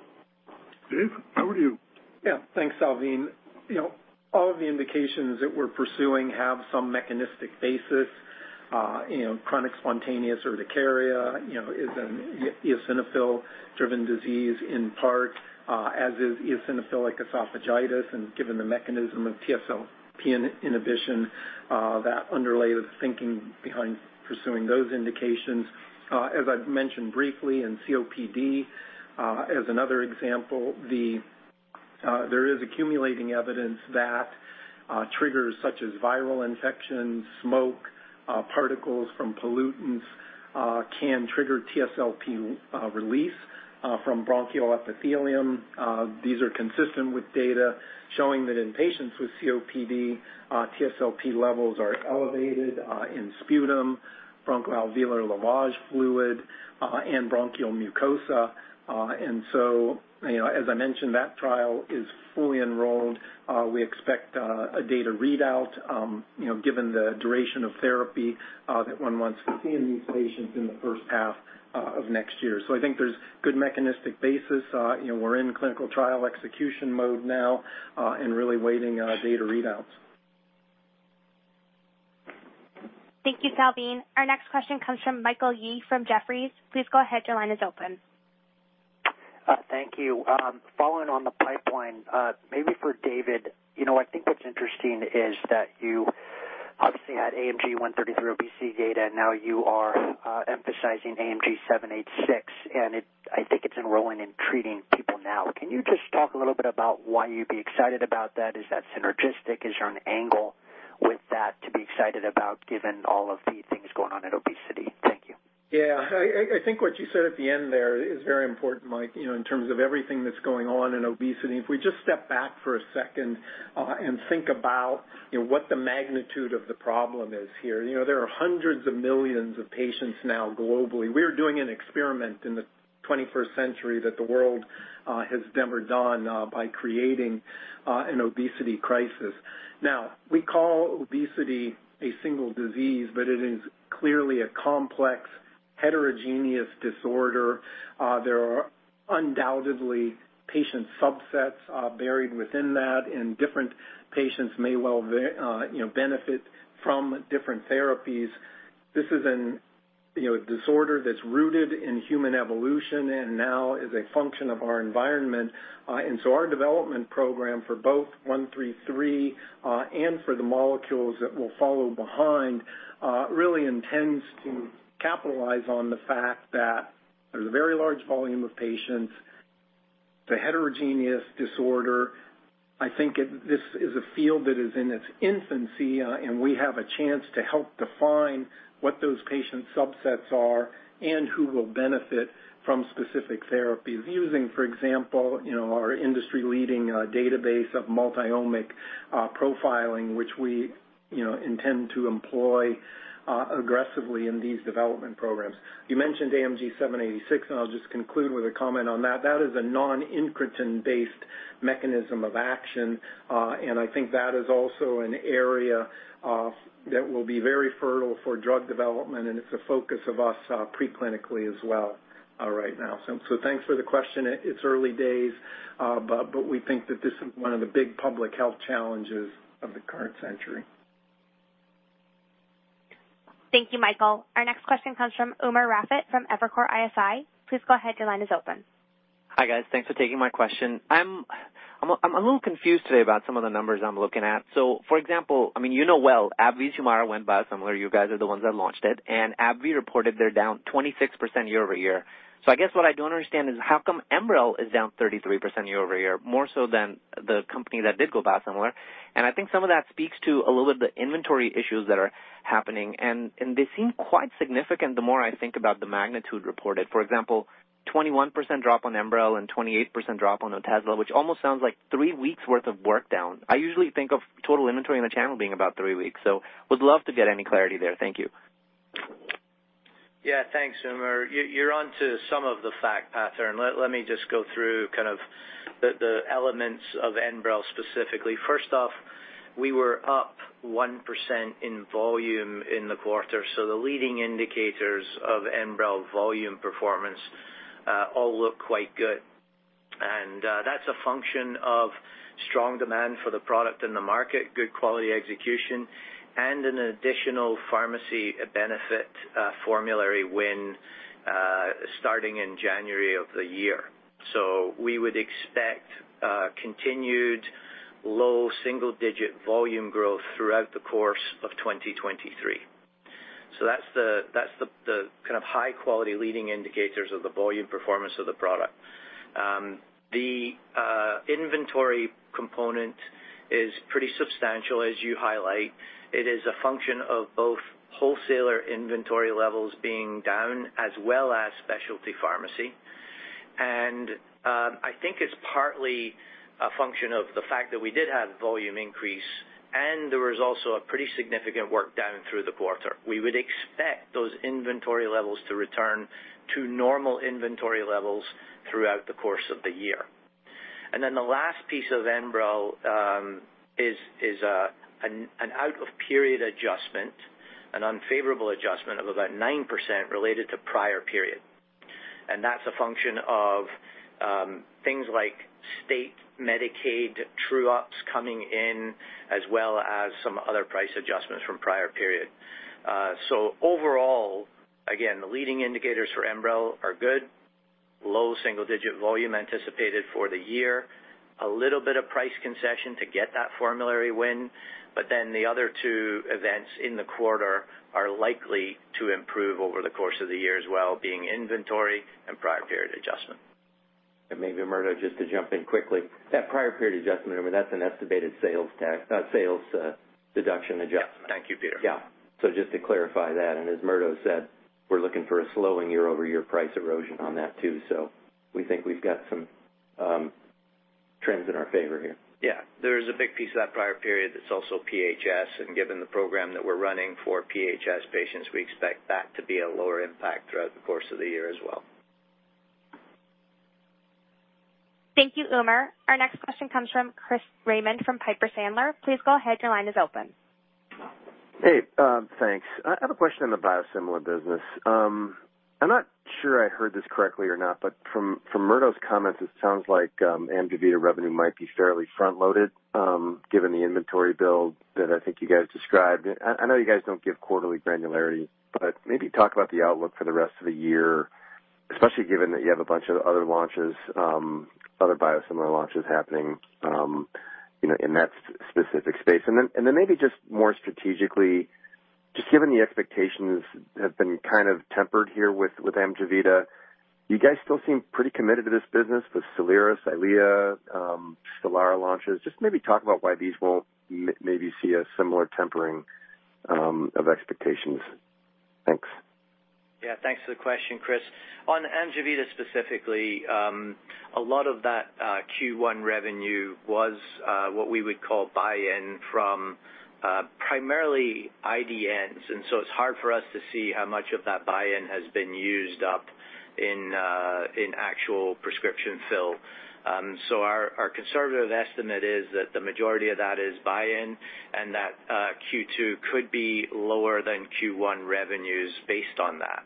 Dave, over to you. Yeah. Thanks, Salveen. You know, all of the indications that we're pursuing have some mechanistic basis. You know, chronic spontaneous urticaria, you know, is an eosinophil-driven disease in part, as is eosinophilic esophagitis, and given the mechanism of TSLP inhibition, that underlay the thinking behind pursuing those indications. As I've mentioned briefly in COPD, as another example, the, there is accumulating evidence that triggers such as viral infections, smoke, particles from pollutants, can trigger TSLP release from bronchial epithelium. These are consistent with data showing that in patients with COPD, TSLP levels are elevated in sputum, bronchoalveolar lavage fluid, and bronchial mucosa. You know, as I mentioned, that trial is fully enrolled. We expect a data readout, you know, given the duration of therapy, that one wants to see in these patients in the first half of next year. I think there's good mechanistic basis. You know, we're in clinical trial execution mode now, and really waiting data readouts. Thank you, Salveen Richter. Our next question comes from Michael Yee from Jefferies. Please go ahead. Your line is open. Thank you. Following on the pipeline, maybe for David. You know, I think what's interesting is that you obviously had AMG-133 obesity data, and now you are emphasizing AMG-786, and I think it's enrolling and treating people now. Can you just talk a little bit about why you'd be excited about that? Is that synergistic? Is there an angle with that to be excited about given all of the things going on in obesity? Thank you. Yeah. I think what you said at the end there is very important, Mike, you know, in terms of everything that's going on in obesity. If we just step back for a second and think about, you know, what the magnitude of the problem is here. You know, there are hundreds of millions of patients now globally. We're doing an experiment in the twenty-first century that the world has never done by creating an obesity crisis. Now, we call obesity a single disease, but it is clearly a complex Heterogeneous disorder. There are undoubtedly patient subsets buried within that, and different patients may well, you know, benefit from different therapies. This is, you know, a disorder that's rooted in human evolution and now is a function of our environment. Our development program for both 133 and for the molecules that will follow behind really intends to capitalize on the fact that there's a very large volume of patients. It's a heterogeneous disorder. I think this is a field that is in its infancy and we have a chance to help define what those patient subsets are and who will benefit from specific therapies using, for example, you know, our industry-leading database of multi-omic profiling, which we, you know, intend to employ aggressively in these development programs. You mentioned AMG 786, I'll just conclude with a comment on that. That is a non-incretin based mechanism of action. I think that is also an area that will be very fertile for drug development, and it's a focus of us pre-clinically as well right now. Thanks for the question. It's early days, but we think that this is one of the big public health challenges of the current century. Thank you, Michael. Our next question comes from Umer Raffat from Evercore ISI. Please go ahead. Your line is open. Hi, guys. Thanks for taking my question. I'm a little confused today about some of the numbers I'm looking at. For example, I mean, you know well AbbVie's Humira went biosimilar. You guys are the ones that launched it. AbbVie reported they're down 26% year-over-year. I guess what I don't understand is how come Enbrel is down 33% year-over-year, more so than the company that did go biosimilar. I think some of that speaks to a little bit of the inventory issues that are happening, and they seem quite significant the more I think about the magnitude reported. For example, 21% drop on Enbrel and 28% drop on Otezla, which almost sounds like three weeks worth of work down. I usually think of total inventory in the channel being about three weeks, so would love to get any clarity there. Thank you. Yeah. Thanks, Umer. You're onto some of the fact pattern. Let me just go through kind of the elements of Enbrel specifically. First off, we were up 1% in volume in the quarter, the leading indicators of Enbrel volume performance all look quite good. That's a function of strong demand for the product in the market, good quality execution, and an additional pharmacy benefit formulary win starting in January of the year. We would expect continued low single-digit volume growth throughout the course of 2023. That's the kind of high-quality leading indicators of the volume performance of the product. The inventory component is pretty substantial, as you highlight. It is a function of both wholesaler inventory levels being down as well as specialty pharmacy. I think it's partly a function of the fact that we did have volume increase and there was also a pretty significant work down through the quarter. We would expect those inventory levels to return to normal inventory levels throughout the course of the year. Then the last piece of Enbrel is an out of period adjustment, an unfavorable adjustment of about 9% related to prior period. That's a function of things like state Medicaid true-ups coming in as well as some other price adjustments from prior period. So overall, again, the leading indicators for Enbrel are good. Low single-digit volume anticipated for the year. A little bit of price concession to get that formulary win. The other two events in the quarter are likely to improve over the course of the year as well-being inventory and prior period adjustment. Maybe, Murdo, just to jump in quickly. That prior period adjustment, Umer, that's an estimated sales deduction adjustment. Thank you, Peter. Yeah. Just to clarify that, and as Murdo said, we're looking for a slowing year-over-year price erosion on that too. We think we've got some trends in our favor here. Yeah, there is a big piece of that prior period that's also PHS. Given the program that we're running for PHS patients, we expect that to be a lower impact throughout the course of the year as well. Thank you, Umer. Our next question comes from Chris Raymond from Piper Sandler. Please go ahead. Your line is open. Hey, thanks. I have a question on the biosimilar business. I'm not sure I heard this correctly or not, but from Murdo's comments, it sounds like AMJEVITA revenue might be fairly front-loaded, given the inventory build that I think you guys described. I know you guys don't give quarterly granularity, but maybe talk about the outlook for the rest of the year, especially given that you have a bunch of other launches, other biosimilar launches happening, you know, in that specific space. Then maybe just more strategically, just given the expectations have been kind of tempered here with AMJEVITA, you guys still seem pretty committed to this business with Soliris, EYLEA, Stelara launches. Just maybe talk about why these won't maybe see a similar tempering of expectations. Thanks. Yeah, thanks for the question, Chris. On AMJEVITA specifically, a lot of that Q1 revenue was what we would call buy-in from primarily IDNs, it's hard for us to see how much of that buy-in has been used up.In actual prescription fill. Our conservative estimate is that the majority of that is buy-in and that Q2 could be lower than Q1 revenues based on that.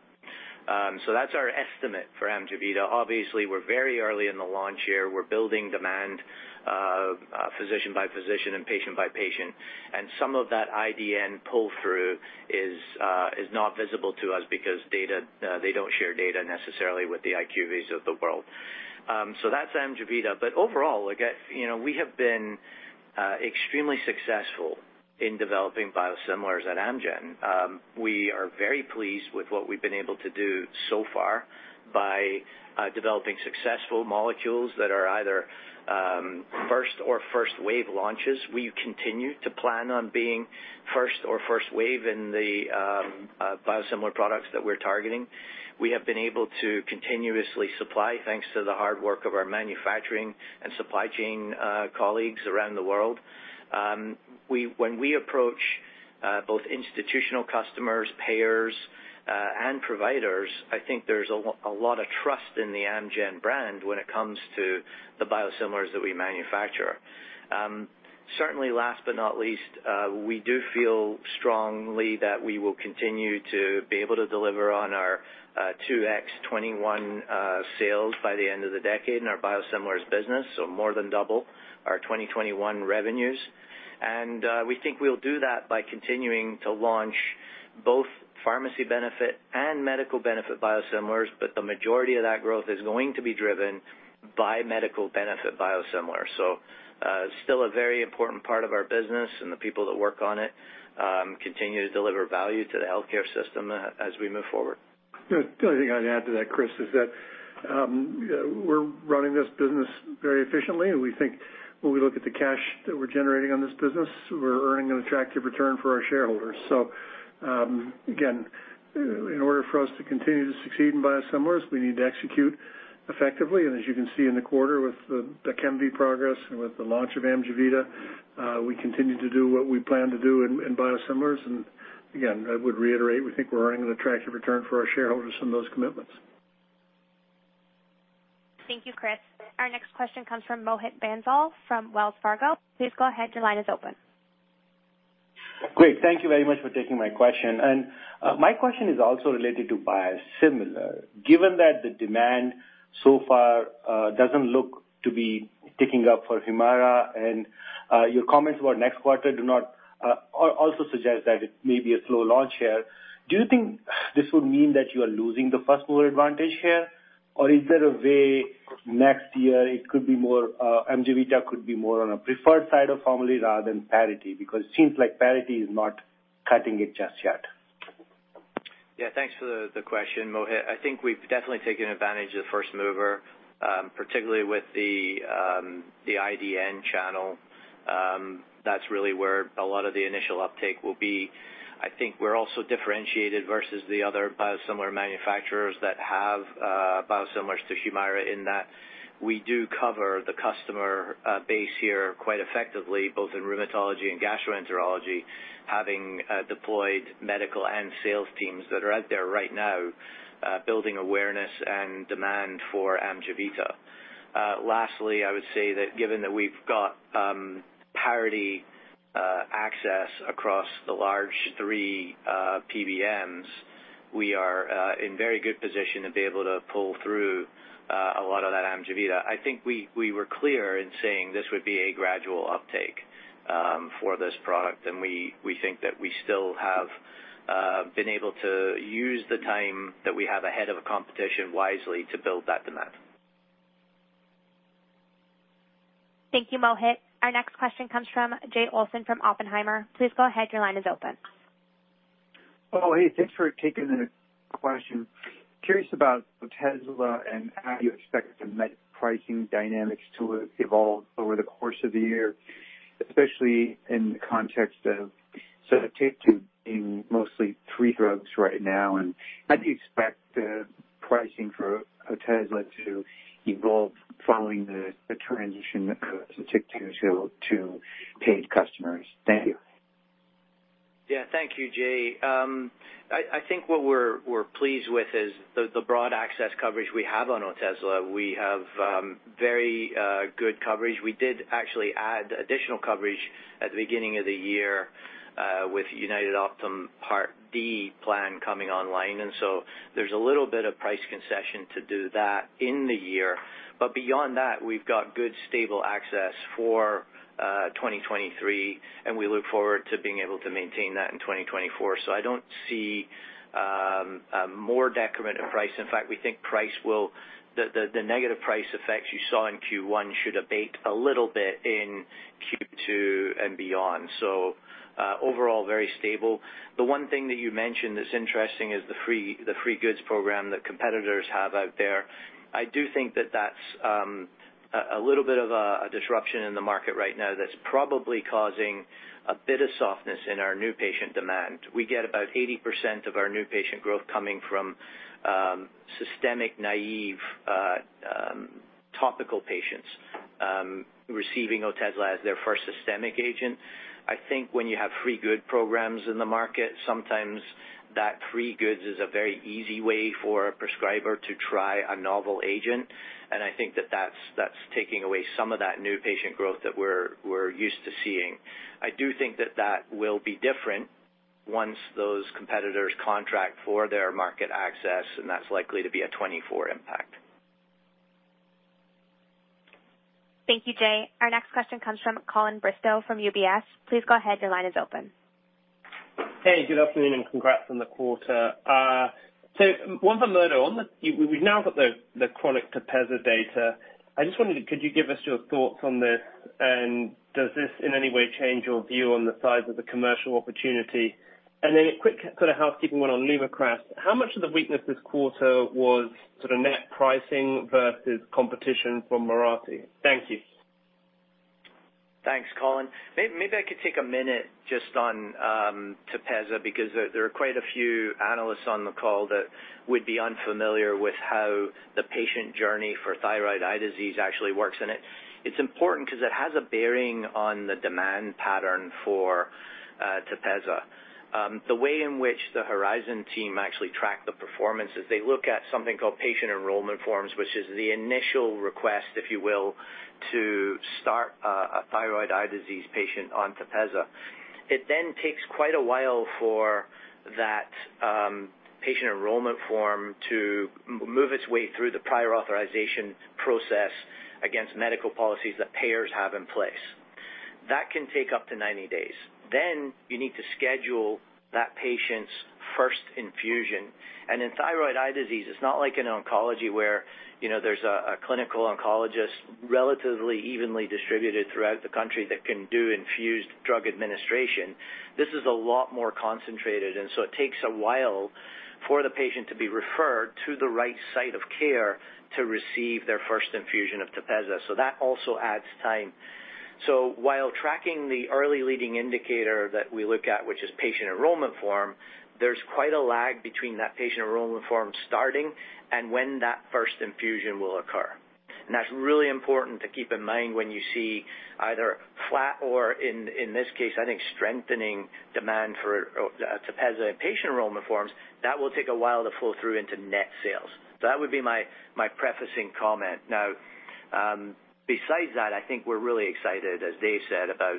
That's our estimate for AMJEVITA. Obviously, we're very early in the launch year. We're building demand physician by physician and patient by patient. Some of that IDN pull-through is not visible to us because they don't share data necessarily with the IQVIA of the world. That's AMJEVITA. Overall, again, you know, we have been extremely successful in developing biosimilars at Amgen. We are very pleased with what we've been able to do so far by developing successful molecules that are either first or first-wave launches. We continue to plan on being first or first wave in the biosimilar products that we're targeting. We have been able to continuously supply, thanks to the hard work of our manufacturing and supply chain colleagues around the world. When we approach both institutional customers, payers and providers, I think there's a lot of trust in the Amgen brand when it comes to the biosimilars that we manufacture. Certainly last but not least, we do feel strongly that we will continue to be able to deliver on our 2x 2021 sales by the end of the decade in our biosimilars business, so more than double our 2021 revenues. We think we'll do that by continuing to launch both pharmacy benefit and medical benefit biosimilars, but the majority of that growth is going to be driven by medical benefit biosimilar. Still a very important part of our business, and the people that work on it, continue to deliver value to the healthcare system, as we move forward. The only thing I'd add to that, Chris, is that we're running this business very efficiently, and we think when we look at the cash that we're generating on this business, we're earning an attractive return for our shareholders. Again, in order for us to continue to succeed in biosimilars, we need to execute effectively. As you can see in the quarter with the Takembi progress and with the launch of AMJEVITA, we continue to do what we plan to do in biosimilars. Again, I would reiterate, we think we're earning an attractive return for our shareholders in those commitments. Thank you, Chris. Our next question comes from Mohit Bansal from Wells Fargo. Please go ahead. Your line is open. Great. Thank you very much for taking my question. My question is also related to biosimilar. Given that the demand so far, doesn't look to be ticking up for Humira, and your comments about next quarter do not also suggest that it may be a slow launch here. Do you think this would mean that you are losing the first mover advantage here? Is there a way next year it could be more, AMJEVITA could be more on a preferred side of formulary rather than parity? It seems like parity is not cutting it just yet. Yeah. Thanks for the question, Mohit. I think we've definitely taken advantage of first mover, particularly with the IDN channel. That's really where a lot of the initial uptake will be. I think we're also differentiated versus the other biosimilar manufacturers that have biosimilars to Humira in that we do cover the customer base here quite effectively, both in rheumatology and gastroenterology, having deployed medical and sales teams that are out there right now, building awareness and demand for AMJEVITA. Lastly, I would say that given that we've got parity access across the large three PBMs, we are in very good position to be able to pull through a lot of that AMJEVITA. I think we were clear in saying this would be a gradual uptake for this product, and we think that we still have been able to use the time that we have ahead of a competition wisely to build that demand. Thank you, Mohit. Our next question comes from Jay Olson from Oppenheimer. Please go ahead. Your line is open. Oh, hey, thanks for taking the question. Curious about Otezla and how you expect the net pricing dynamics to evolve over the course of the year, especially in the context of Sotyktu being mostly free drugs right now, and how do you expect the pricing for Otezla to evolve following the transition of Sotyktu to paid customers? Thank you. Yeah. Thank you, Jay. I think what we're pleased with is the broad access coverage we have on Otezla. We have very good coverage. We did actually add additional coverage at the beginning of the year with UnitedHealthcare Optum Part D plan coming online. There's a little bit of price concession to do that in the year. Beyond that, we've got good, stable access for 2023, and we look forward to being able to maintain that in 2024. I don't see a more decrement in price. In fact, we think price the negative price effects you saw in Q1 should abate a little bit in Q2 and beyond. Overall, very stable. The one thing that you mentioned that's interesting is the free goods program that competitors have out there. I do think that that's a little bit of a disruption in the market right now that's probably causing a bit of softness in our new patient demand. We get about 80% of our new patient growth coming from systemic naive topical patients receiving Otezla as their first systemic agent. I think when you have free good programs in the market, sometimes that free goods is a very easy way for a prescriber to try a novel agent, and I think that that's taking away some of that new patient growth that we're used to seeing. I do think that that will be different once those competitors contract for their market access, and that's likely to be a 2024 impact. Thank you, Jay. Our next question comes from Colin Bristow from UBS. Please go ahead. Your line is open. Hey, good afternoon, and congrats on the quarter. One for later on. We now got the chronic TEPEZZA data. I just wondered, could you give us your thoughts on this, and does this in any way change your view on the size of the commercial opportunity? Then a quick sort of housekeeping one on LUMAKRAS. How much of the weakness this quarter was sort of net pricing versus competition from Mirati? Thank you. Thanks, Colin. Maybe I could take a minute just on Tepezza because there are quite a few analysts on the call that would be unfamiliar with how the patient journey for thyroid eye disease actually works. It's important 'cause it has a bearing on the demand pattern for Tepezza. The way in which the Horizon team actually track the performance is they look at something called patient enrollment forms, which is the initial request, if you will, to start a thyroid eye disease patient on Tepezza. It takes quite a while for that patient enrollment form to move its way through the prior authorization process against medical policies that payers have in place. That can take up to 90 days. You need to schedule that patient's first infusion. In thyroid eye disease, it's not like in oncology where, you know, there's a clinical oncologist relatively evenly distributed throughout the country that can do infused drug administration. This is a lot more concentrated, it takes a while for the patient to be referred to the right site of care to receive their first infusion of TEPEZZA. That also adds time. While tracking the early leading indicator that we look at, which is patient enrollment form, there's quite a lag between that patient enrollment form starting and when that first infusion will occur. That's really important to keep in mind when you see either flat or in this case, I think strengthening demand for TEPEZZA patient enrollment forms, that will take a while to pull through into net sales. That would be my prefacing comment. Now, besides that, I think we're really excited, as Dave said, about,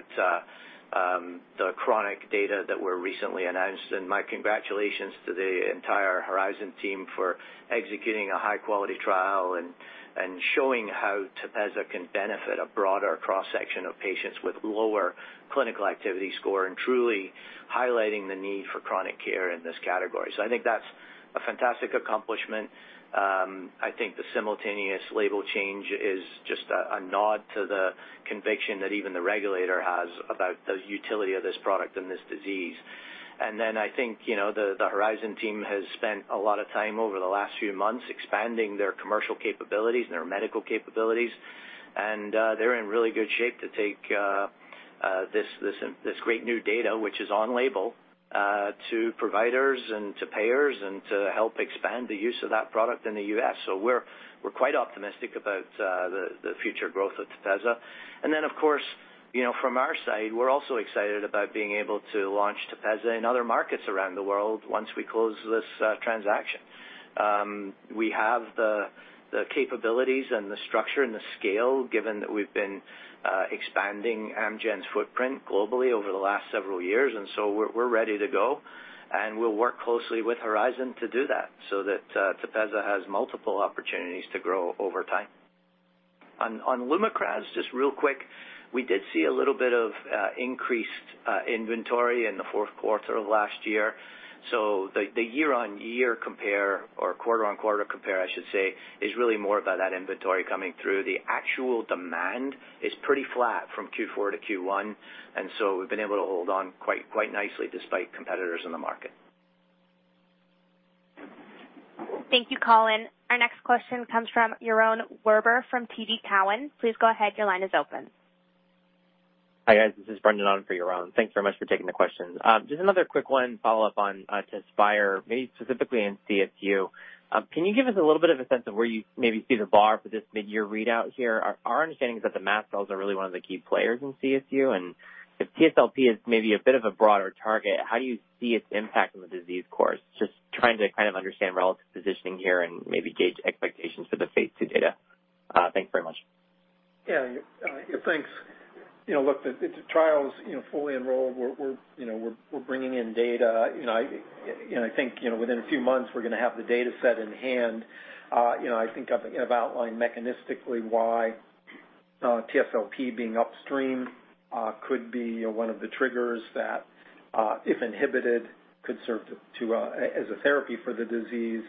the chronic data that were recently announced. My congratulations to the entire Horizon team for executing a high quality trial and showing how TEPEZZA can benefit a broader cross-section of patients with lower clinical activity score and truly highlighting the need for chronic care in this category. I think that's a fantastic accomplishment. I think the simultaneous label change is just a nod to the conviction that even the regulator has about the utility of this product and this disease. I think, you know, the Horizon team has spent a lot of time over the last few months expanding their commercial capabilities and their medical capabilities, and they're in really good shape to take this great new data, which is on label, to providers and to payers and to help expand the use of that product in the U.S. We're quite optimistic about the future growth of TEPEZZA. Of course, you know, from our side, we're also excited about being able to launch TEPEZZA in other markets around the world once we close this transaction. We have the capabilities and the structure and the scale, given that we've been expanding Amgen's footprint globally over the last several years, and so we're ready to go, and we'll work closely with Horizon to do that so that TEPEZZA has multiple opportunities to grow over time. On LUMAKRAS, just real quick, we did see a little bit of increased inventory in the fourth quarter of last year. The year-on-year compare or quarter-on-quarter compare, I should say, is really more about that inventory coming through. The actual demand is pretty flat from Q4 to Q1, and so we've been able to hold on quite nicely despite competitors in the market. Thank you, Colin. Our next question comes from Yaron Werber from TD Cowen. Please go ahead. Your line is open. Hi, guys. This is Brendan on for Yaron. Thanks very much for taking the questions. just another quick one follow up on TEZSPIRE, maybe specifically in CSU. can you give us a little bit of a sense of where you maybe see the bar for this mid-year readout here? Our, our understanding is that the mast cells are really one of the key players in CSU, and if TSLP is maybe a bit of a broader target, how do you see its impact on the disease course? Just trying to kind of understand relative positioning here and maybe gauge expectations for the phase 2 data. thank you very much. Yeah. Thanks. You know, look, the trial's, you know, fully enrolled. We're, you know, we're bringing in data. You know, I, you know, I think, you know, within a few months we're gonna have the dataset in hand. You know, I think I've, you know, outlined mechanistically why TSLP being upstream, could be, you know, one of the triggers that, if inhibited, could serve to, as a therapy for the disease.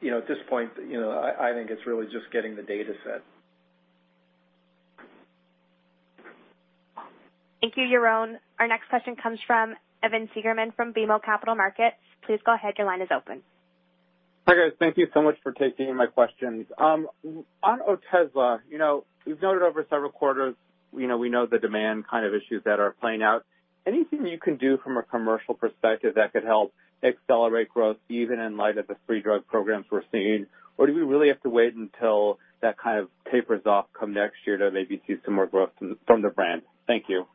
You know, at this point, you know, I think it's really just getting the dataset. Thank you, Yaron. Our next question comes from Evan Seigerman from BMO Capital Markets. Please go ahead. Your line is open. Hi, guys. Thank you so much for taking my questions. On OTEZLA, you know, we've noted over several quarters, you know, we know the demand kind of issues that are playing out. Anything you can do from a commercial perspective that could help accelerate growth even in light of the free drug programs we're seeing? Or do we really have to wait until that kind of tapers off come next year to maybe see some more growth from the brand? Thank you.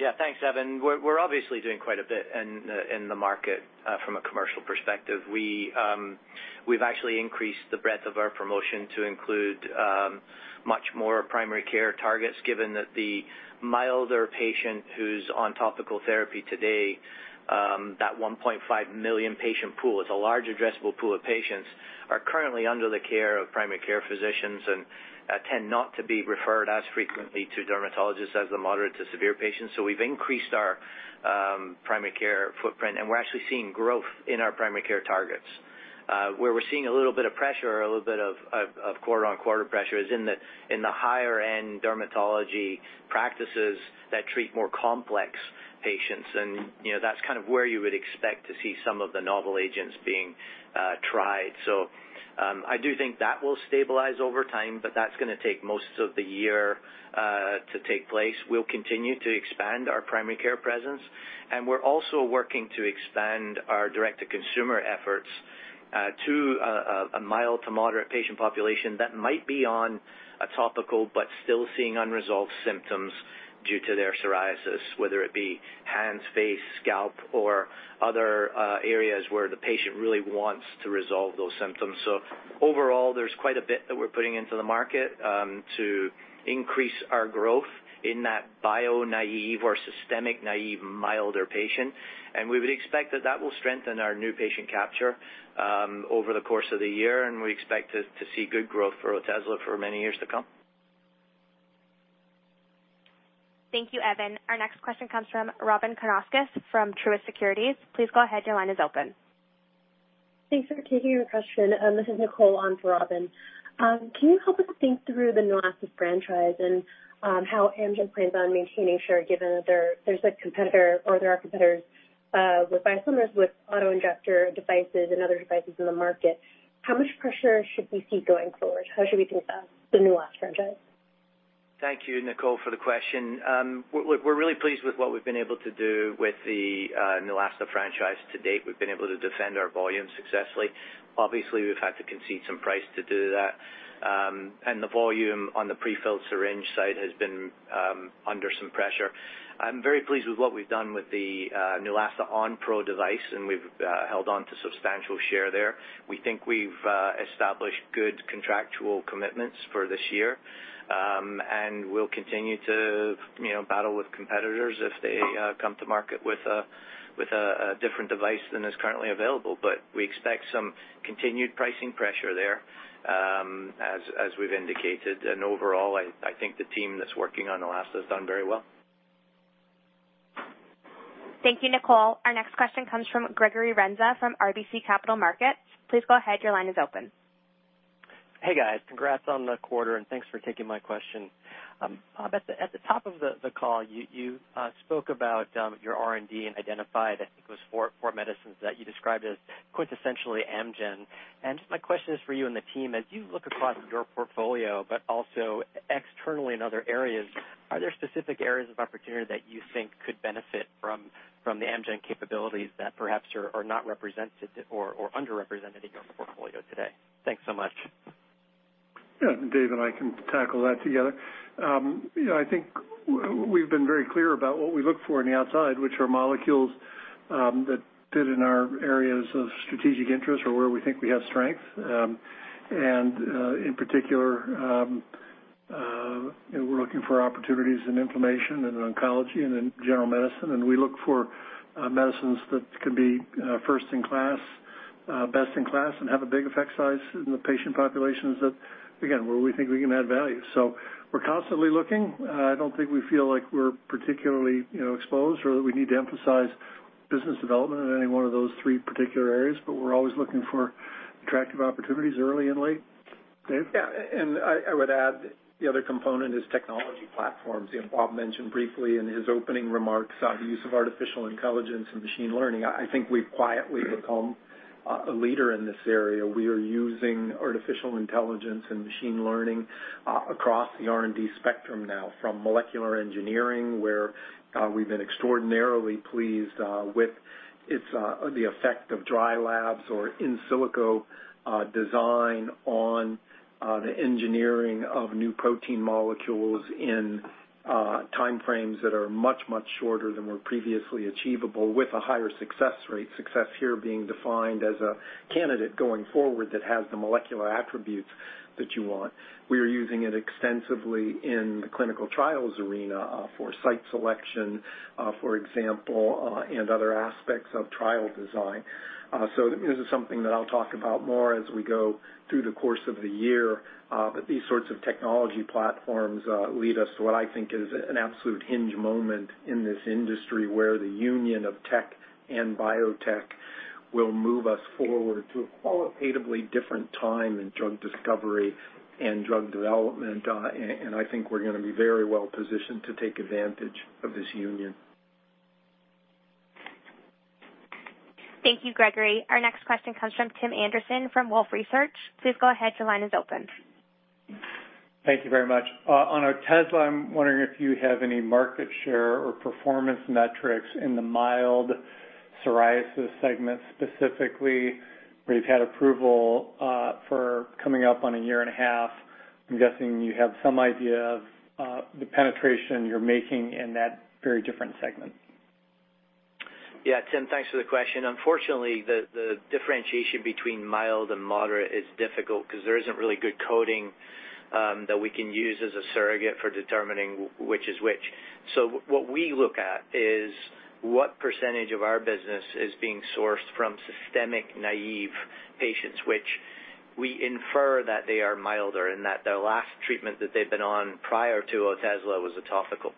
Yeah. Thanks, Evan. We're obviously doing quite a bit in the market from a commercial perspective. We've actually increased the breadth of our promotion to include much more primary care targets given that the milder patient who's on topical therapy today, that 1.5 million patient pool, it's a large addressable pool of patients, are currently under the care of primary care physicians and tend not to be referred as frequently to dermatologists as the moderate to severe patients. We've increased our primary care footprint, and we're actually seeing growth in our primary care targets. Where we're seeing a little bit of pressure or a little bit of quarter-on-quarter pressure is in the higher end dermatology practices that treat more complex patients. You know, that's kind of where you would expect to see some of the novel agents being tried. I do think that will stabilize over time, but that's gonna take most of the year to take place. We'll continue to expand our primary care presence, and we're also working to expand our direct-to-consumer efforts to a mild to moderate patient population that might be on a topical but still seeing unresolved symptoms due to their psoriasis, whether it be hands, face, scalp, or other areas where the patient really wants to resolve those symptoms. Overall, there's quite a bit that we're putting into the market to increase our growth in that bio-naive or systemic-naive, milder patient. We would expect that that will strengthen our new patient capture, over the course of the year, and we expect to see good growth for Otezla for many years to come. Thank you, Evan. Our next question comes from Robyn Karnauskas from Truist Securities. Please go ahead. Your line is open. Thanks for taking the question. This is Nicole on for Robyn. Can you help us think through the Neulasta franchise and how Amgen plans on maintaining share given that there are competitors with biosimilars, with auto-injector devices and other devices in the market? How much pressure should we see going forward? How should we think about the Neulasta franchise? Thank you, Nicole, for the question. We're really pleased with what we've been able to do with the Neulasta franchise to date. We've been able to defend our volume successfully. Obviously, we've had to concede some price to do that, and the volume on the prefilled syringe side has been under some pressure. I'm very pleased with what we've done with the Neulasta Onpro device, and we've held on to substantial share there. We think we've established good contractual commitments for this year. We'll continue to, you know, battle with competitors if they come to market with a different device than is currently available. We expect some continued pricing pressure there, as we've indicated. Overall, I think the team that's working on Neulasta has done very well. Thank you, Nicole. Our next question comes from Gregory Renza from RBC Capital Markets. Please go ahead. Your line is open. Hey, guys. Congrats on the quarter, and thanks for taking my question. Bob, at the top of the call, you spoke about your R&D and identified, I think it was four medicines that you described as quintessentially Amgen. My question is for you and the team. As you look across your portfolio, but also externally in other areas, are there specific areas of opportunity that you think could benefit from the Amgen capabilities that perhaps are not represented or underrepresented in your portfolio today? Thanks so much. Yeah. Dave and I can tackle that together. You know, I think we've been very clear about what we look for on the outside, which are molecules, that fit in our areas of strategic interest or where we think we have strength. And, in particular, you know, we're looking for opportunities in inflammation and in oncology and in general medicine, and we look for medicines that can be first in class, best in class, and have a big effect size in the patient populations that, again, where we think we can add value. We're constantly looking. I don't think we feel like we're particularly, you know, exposed or that we need to emphasize business development in any one of those three particular areas, but we're always looking for attractive opportunities early and late. Dave? Yeah. I would add the other component is technology platforms. You know, Bob mentioned briefly in his opening remarks, the use of artificial intelligence and machine learning. I think we've quietly become a leader in this area. We are using artificial intelligence and machine learning across the R&D spectrum now, from molecular engineering, where we've been extraordinarily pleased with its the effect of dry labs or in silico design on the engineering of new protein molecules in time frames that are much, much shorter than were previously achievable with a higher success rate, success here being defined as a candidate going forward that has the molecular attributes that you want. We are using it extensively in the clinical trials arena, for site selection, for example, and other aspects of trial design. This is something that I'll talk about more as we go through the course of the year, but these sorts of technology platforms, lead us to what I think is an absolute hinge moment in this industry, where the union of tech and biotech will move us forward to a qualitatively different time in drug discovery and drug development. And I think we're gonna be very well positioned to take advantage of this union. Thank you, Gregory. Our next question comes from Tim Anderson from Wolfe Research. Please go ahead. Your line is open. Thank you very much. On Otezla, I'm wondering if you have any market share or performance metrics in the mild?... psoriasis segment specifically, where you've had approval, for coming up on a year and a half. I'm guessing you have some idea of, the penetration you're making in that very different segment. Yeah. Tim, thanks for the question. Unfortunately, the differentiation between mild and moderate is difficult 'cause there isn't really good coding that we can use as a surrogate for determining which is which. What we look at is what percentage of our business is being sourced from systemic naive patients, which we infer that they are milder, and that the last treatment that they've been on prior to Otezla was a topical.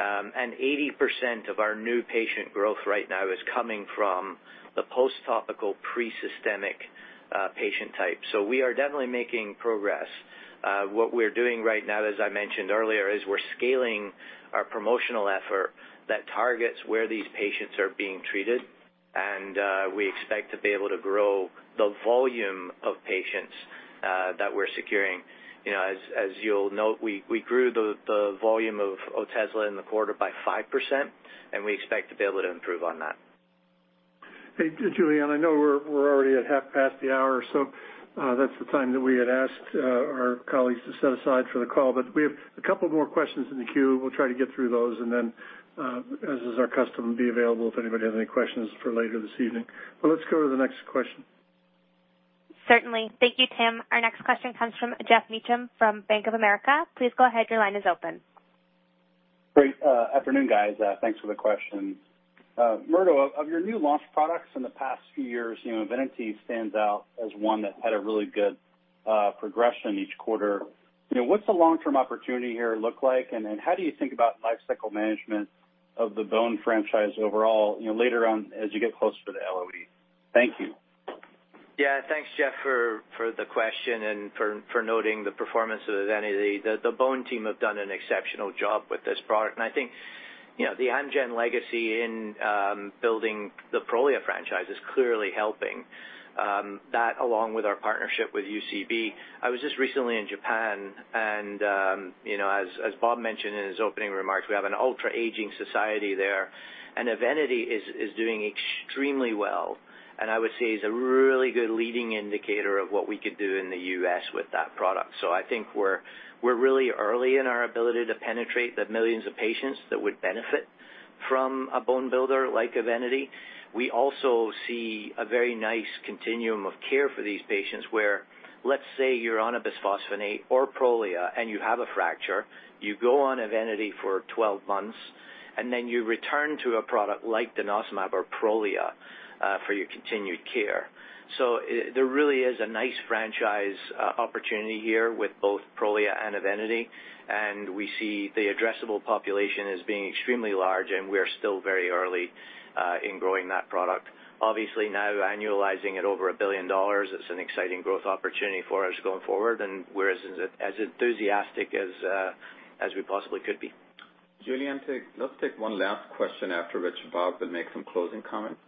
80% of our new patient growth right now is coming from the post-topical, pre-systemic patient type. We are definitely making progress. What we're doing right now, as I mentioned earlier, is we're scaling our promotional effort that targets where these patients are being treated, and we expect to be able to grow the volume of patients that we're securing. You know, as you'll note, we grew the volume of Otezla in the quarter by 5%, and we expect to be able to improve on that. Hey, Julianne, I know we're already at half past the hour, so, that's the time that we had asked, our colleagues to set aside for the call. We have a couple more questions in the queue. We'll try to get through those and then, as is our custom, be available if anybody has any questions for later this evening. Let's go to the next question. Certainly. Thank you, Tim. Our next question comes from Geoff Meacham from Bank of America. Please go ahead. Your line is open. Great. afternoon, guys. thanks for the questions. Murdo, of your new launch products in the past few years, you know, EVENITY stands out as one that had a really good progression each quarter. You know, what's the long-term opportunity here look like, and then how do you think about life cycle management of the bone franchise overall, you know, later on as you get closer to the LOE? Thank you. Yeah. Thanks, Geoff, for the question and for noting the performance of EVENITY. The bone team have done an exceptional job with this product. I think, you know, the Amgen legacy in building the Prolia franchise is clearly helping. That along with our partnership with UCB. I was just recently in Japan, and, you know, as Bob mentioned in his opening remarks, we have an ultra-aging society there, and EVENITY is doing extremely well. I would say is a really good leading indicator of what we could do in the US with that product. I think we're really early in our ability to penetrate the millions of patients that would benefit from a bone builder like EVENITY. We also see a very nice continuum of care for these patients, where, let's say, you're on a bisphosphonate or Prolia and you have a fracture. You go on EVENITY for 12 months, and then you return to a product like denosumab or Prolia for your continued care. There really is a nice franchise opportunity here with both Prolia and EVENITY. We see the addressable population as being extremely large, and we are still very early in growing that product. Obviously, now annualizing it over $1 billion is an exciting growth opportunity for us going forward, and we're as enthusiastic as we possibly could be. Julianne, let's take one last question after which Bob will make some closing comments.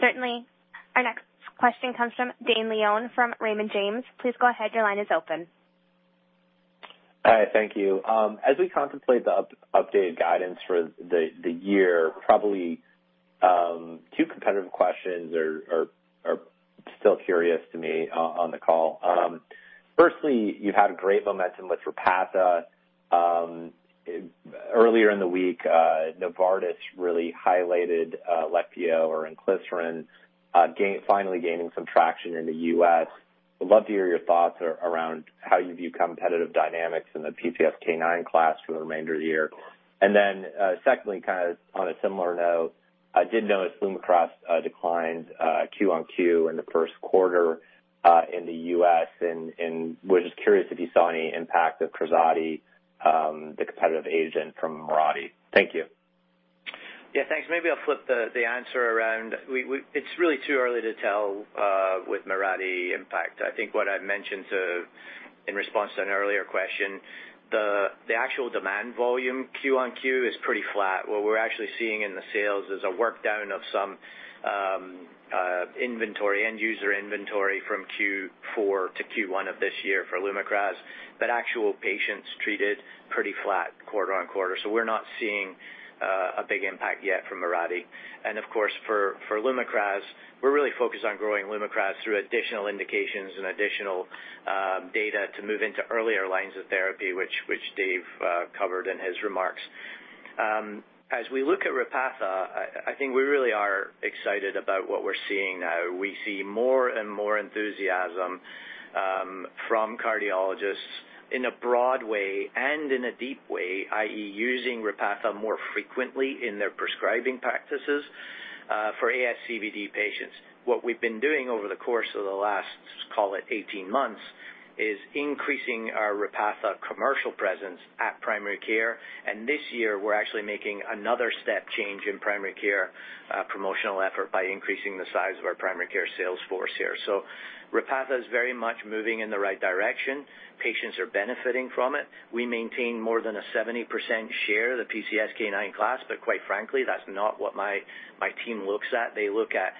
Certainly. Our next question comes from Dane Leone from Raymond James. Please go ahead. Your line is open. Hi. Thank you. As we contemplate the updated guidance for the year, probably, two competitive questions are still curious to me on the call. Firstly, you've had great momentum with Repatha. Earlier in the week, Novartis really highlighted Leqvio or Inclisiran finally gaining some traction in the U.S. I'd love to hear your thoughts around how you view competitive dynamics in the PCSK9 class for the remainder of the year. Secondly, kind of on a similar note, I did notice LUMAKRAS declined Q-on-Q in the first quarter in the U.S. Was just curious if you saw any impact of KRAZATI, the competitive agent from Mirati. Thank you. Thanks. Maybe I'll flip the answer around. We It's really too early to tell with Mirati impact. I think what I mentioned to, in response to an earlier question, the actual demand volume Q-on-Q is pretty flat. What we're actually seeing in the sales is a work down of some inventory, end user inventory from Q4 to Q1 of this year for LUMAKRAS. Actual patients treated pretty flat quarter-over-quarter. We're not seeing a big impact yet from Mirati. Of course, for LUMAKRAS, we're really focused on growing LUMAKRAS through additional indications and additional data to move into earlier lines of therapy, which Dave covered in his remarks. As we look at Repatha, I think we really are excited about what we're seeing now. We see more and more enthusiasm from cardiologists in a broad way and in a deep way, i.e., using Repatha more frequently in their prescribing practices for ASCVD patients. What we've been doing over the course of the last, let's call it 18 months, is increasing our Repatha commercial presence at primary care. This year, we're actually making another step change in primary care promotional effort by increasing the size of our primary care sales force here. Repatha is very much moving in the right direction. Patients are benefiting from it. We maintain more than a 70% share of the PCSK9 class. Quite frankly, that's not what my team looks at. They look at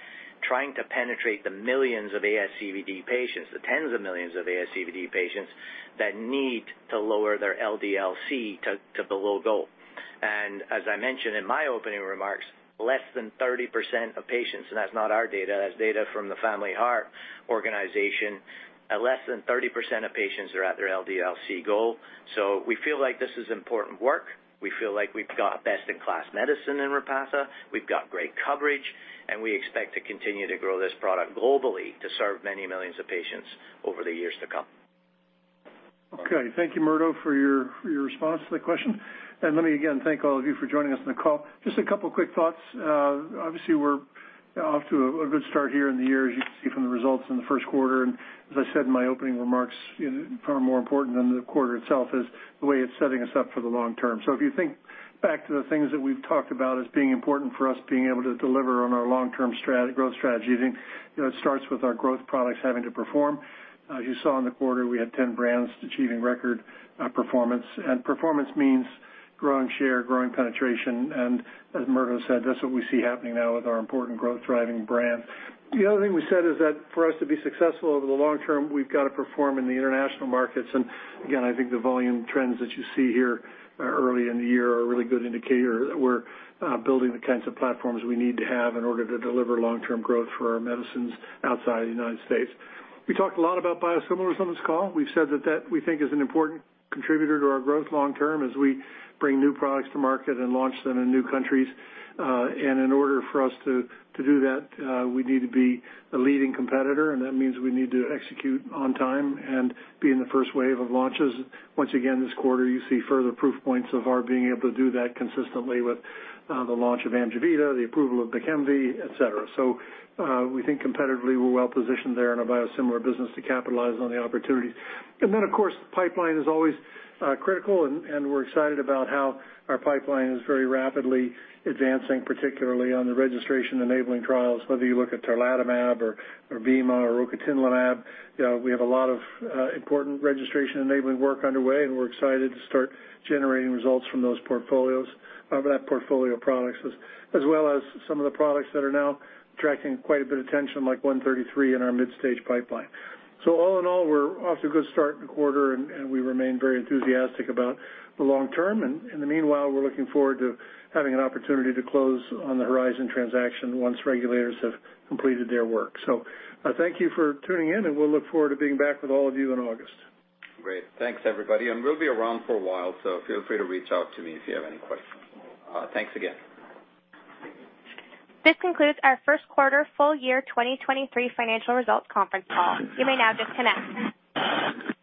trying to penetrate the millions of ASCVD patients, the tens of millions of ASCVD patients that need to lower their LDL-C to below goal. As I mentioned in my opening remarks, less than 30% of patients, and that's not our data, that's data from the Family Heart Foundation, less than 30% of patients are at their LDL-C goal. We feel like this is important work. We feel like we've got best-in-class medicine in Repatha. We've got great coverage, and we expect to continue to grow this product globally to serve many millions of patients over the years to come. Okay. Thank you, Murdo, for your, for your response to the question. Let me again thank all of you for joining us on the call. Just a couple quick thoughts. Obviously, we're off to a good start here in the year, as you can see from the results in the first quarter. As I said in my opening remarks, you know, far more important than the quarter itself is the way it's setting us up for the long term. If you think back to the things that we've talked about as being important for us being able to deliver on our long-term growth strategy, you know, it starts with our growth products having to perform. As you saw in the quarter, we had 10 brands achieving record performance. Performance means growing share, growing penetration, and as Murdo said, that's what we see happening now with our important growth-driving brand. The other thing we said is that for us to be successful over the long term, we've got to perform in the international markets. Again, I think the volume trends that you see here early in the year are a really good indicator that we're building the kinds of platforms we need to have in order to deliver long-term growth for our medicines outside the United States. We talked a lot about biosimilars on this call. We've said that we think is an important contributor to our growth long term as we bring new products to market and launch them in new countries. In order for us to do that, we need to be a leading competitor, and that means we need to execute on time and be in the first wave of launches. Once again, this quarter, you see further proof points of our being able to do that consistently with the launch of AMJEVITA, the approval of Bekemv, et cetera. We think competitively, we're well positioned there in a biosimilar business to capitalize on the opportunities. Of course, pipeline is always critical and we're excited about how our pipeline is very rapidly advancing, particularly on the registration-enabling trials, whether you look at tarlatamab or bemarituzumab or rocatinlimab. You know, we have a lot of important registration-enabling work underway, and we're excited to start generating results from that portfolio of products, as well as some of the products that are now attracting quite a bit of attention, like AMG 133 in our mid-stage pipeline. All in all, we're off to a good start in the quarter, and we remain very enthusiastic about the long term. In the meanwhile, we're looking forward to having an opportunity to close on the Horizon transaction once regulators have completed their work. Thank you for tuning in, and we'll look forward to being back with all of you in August. Great. Thanks, everybody. We'll be around for a while, so feel free to reach out to me if you have any questions. Thanks again. This concludes our first quarter full year 2023 financial results conference call. You may now disconnect.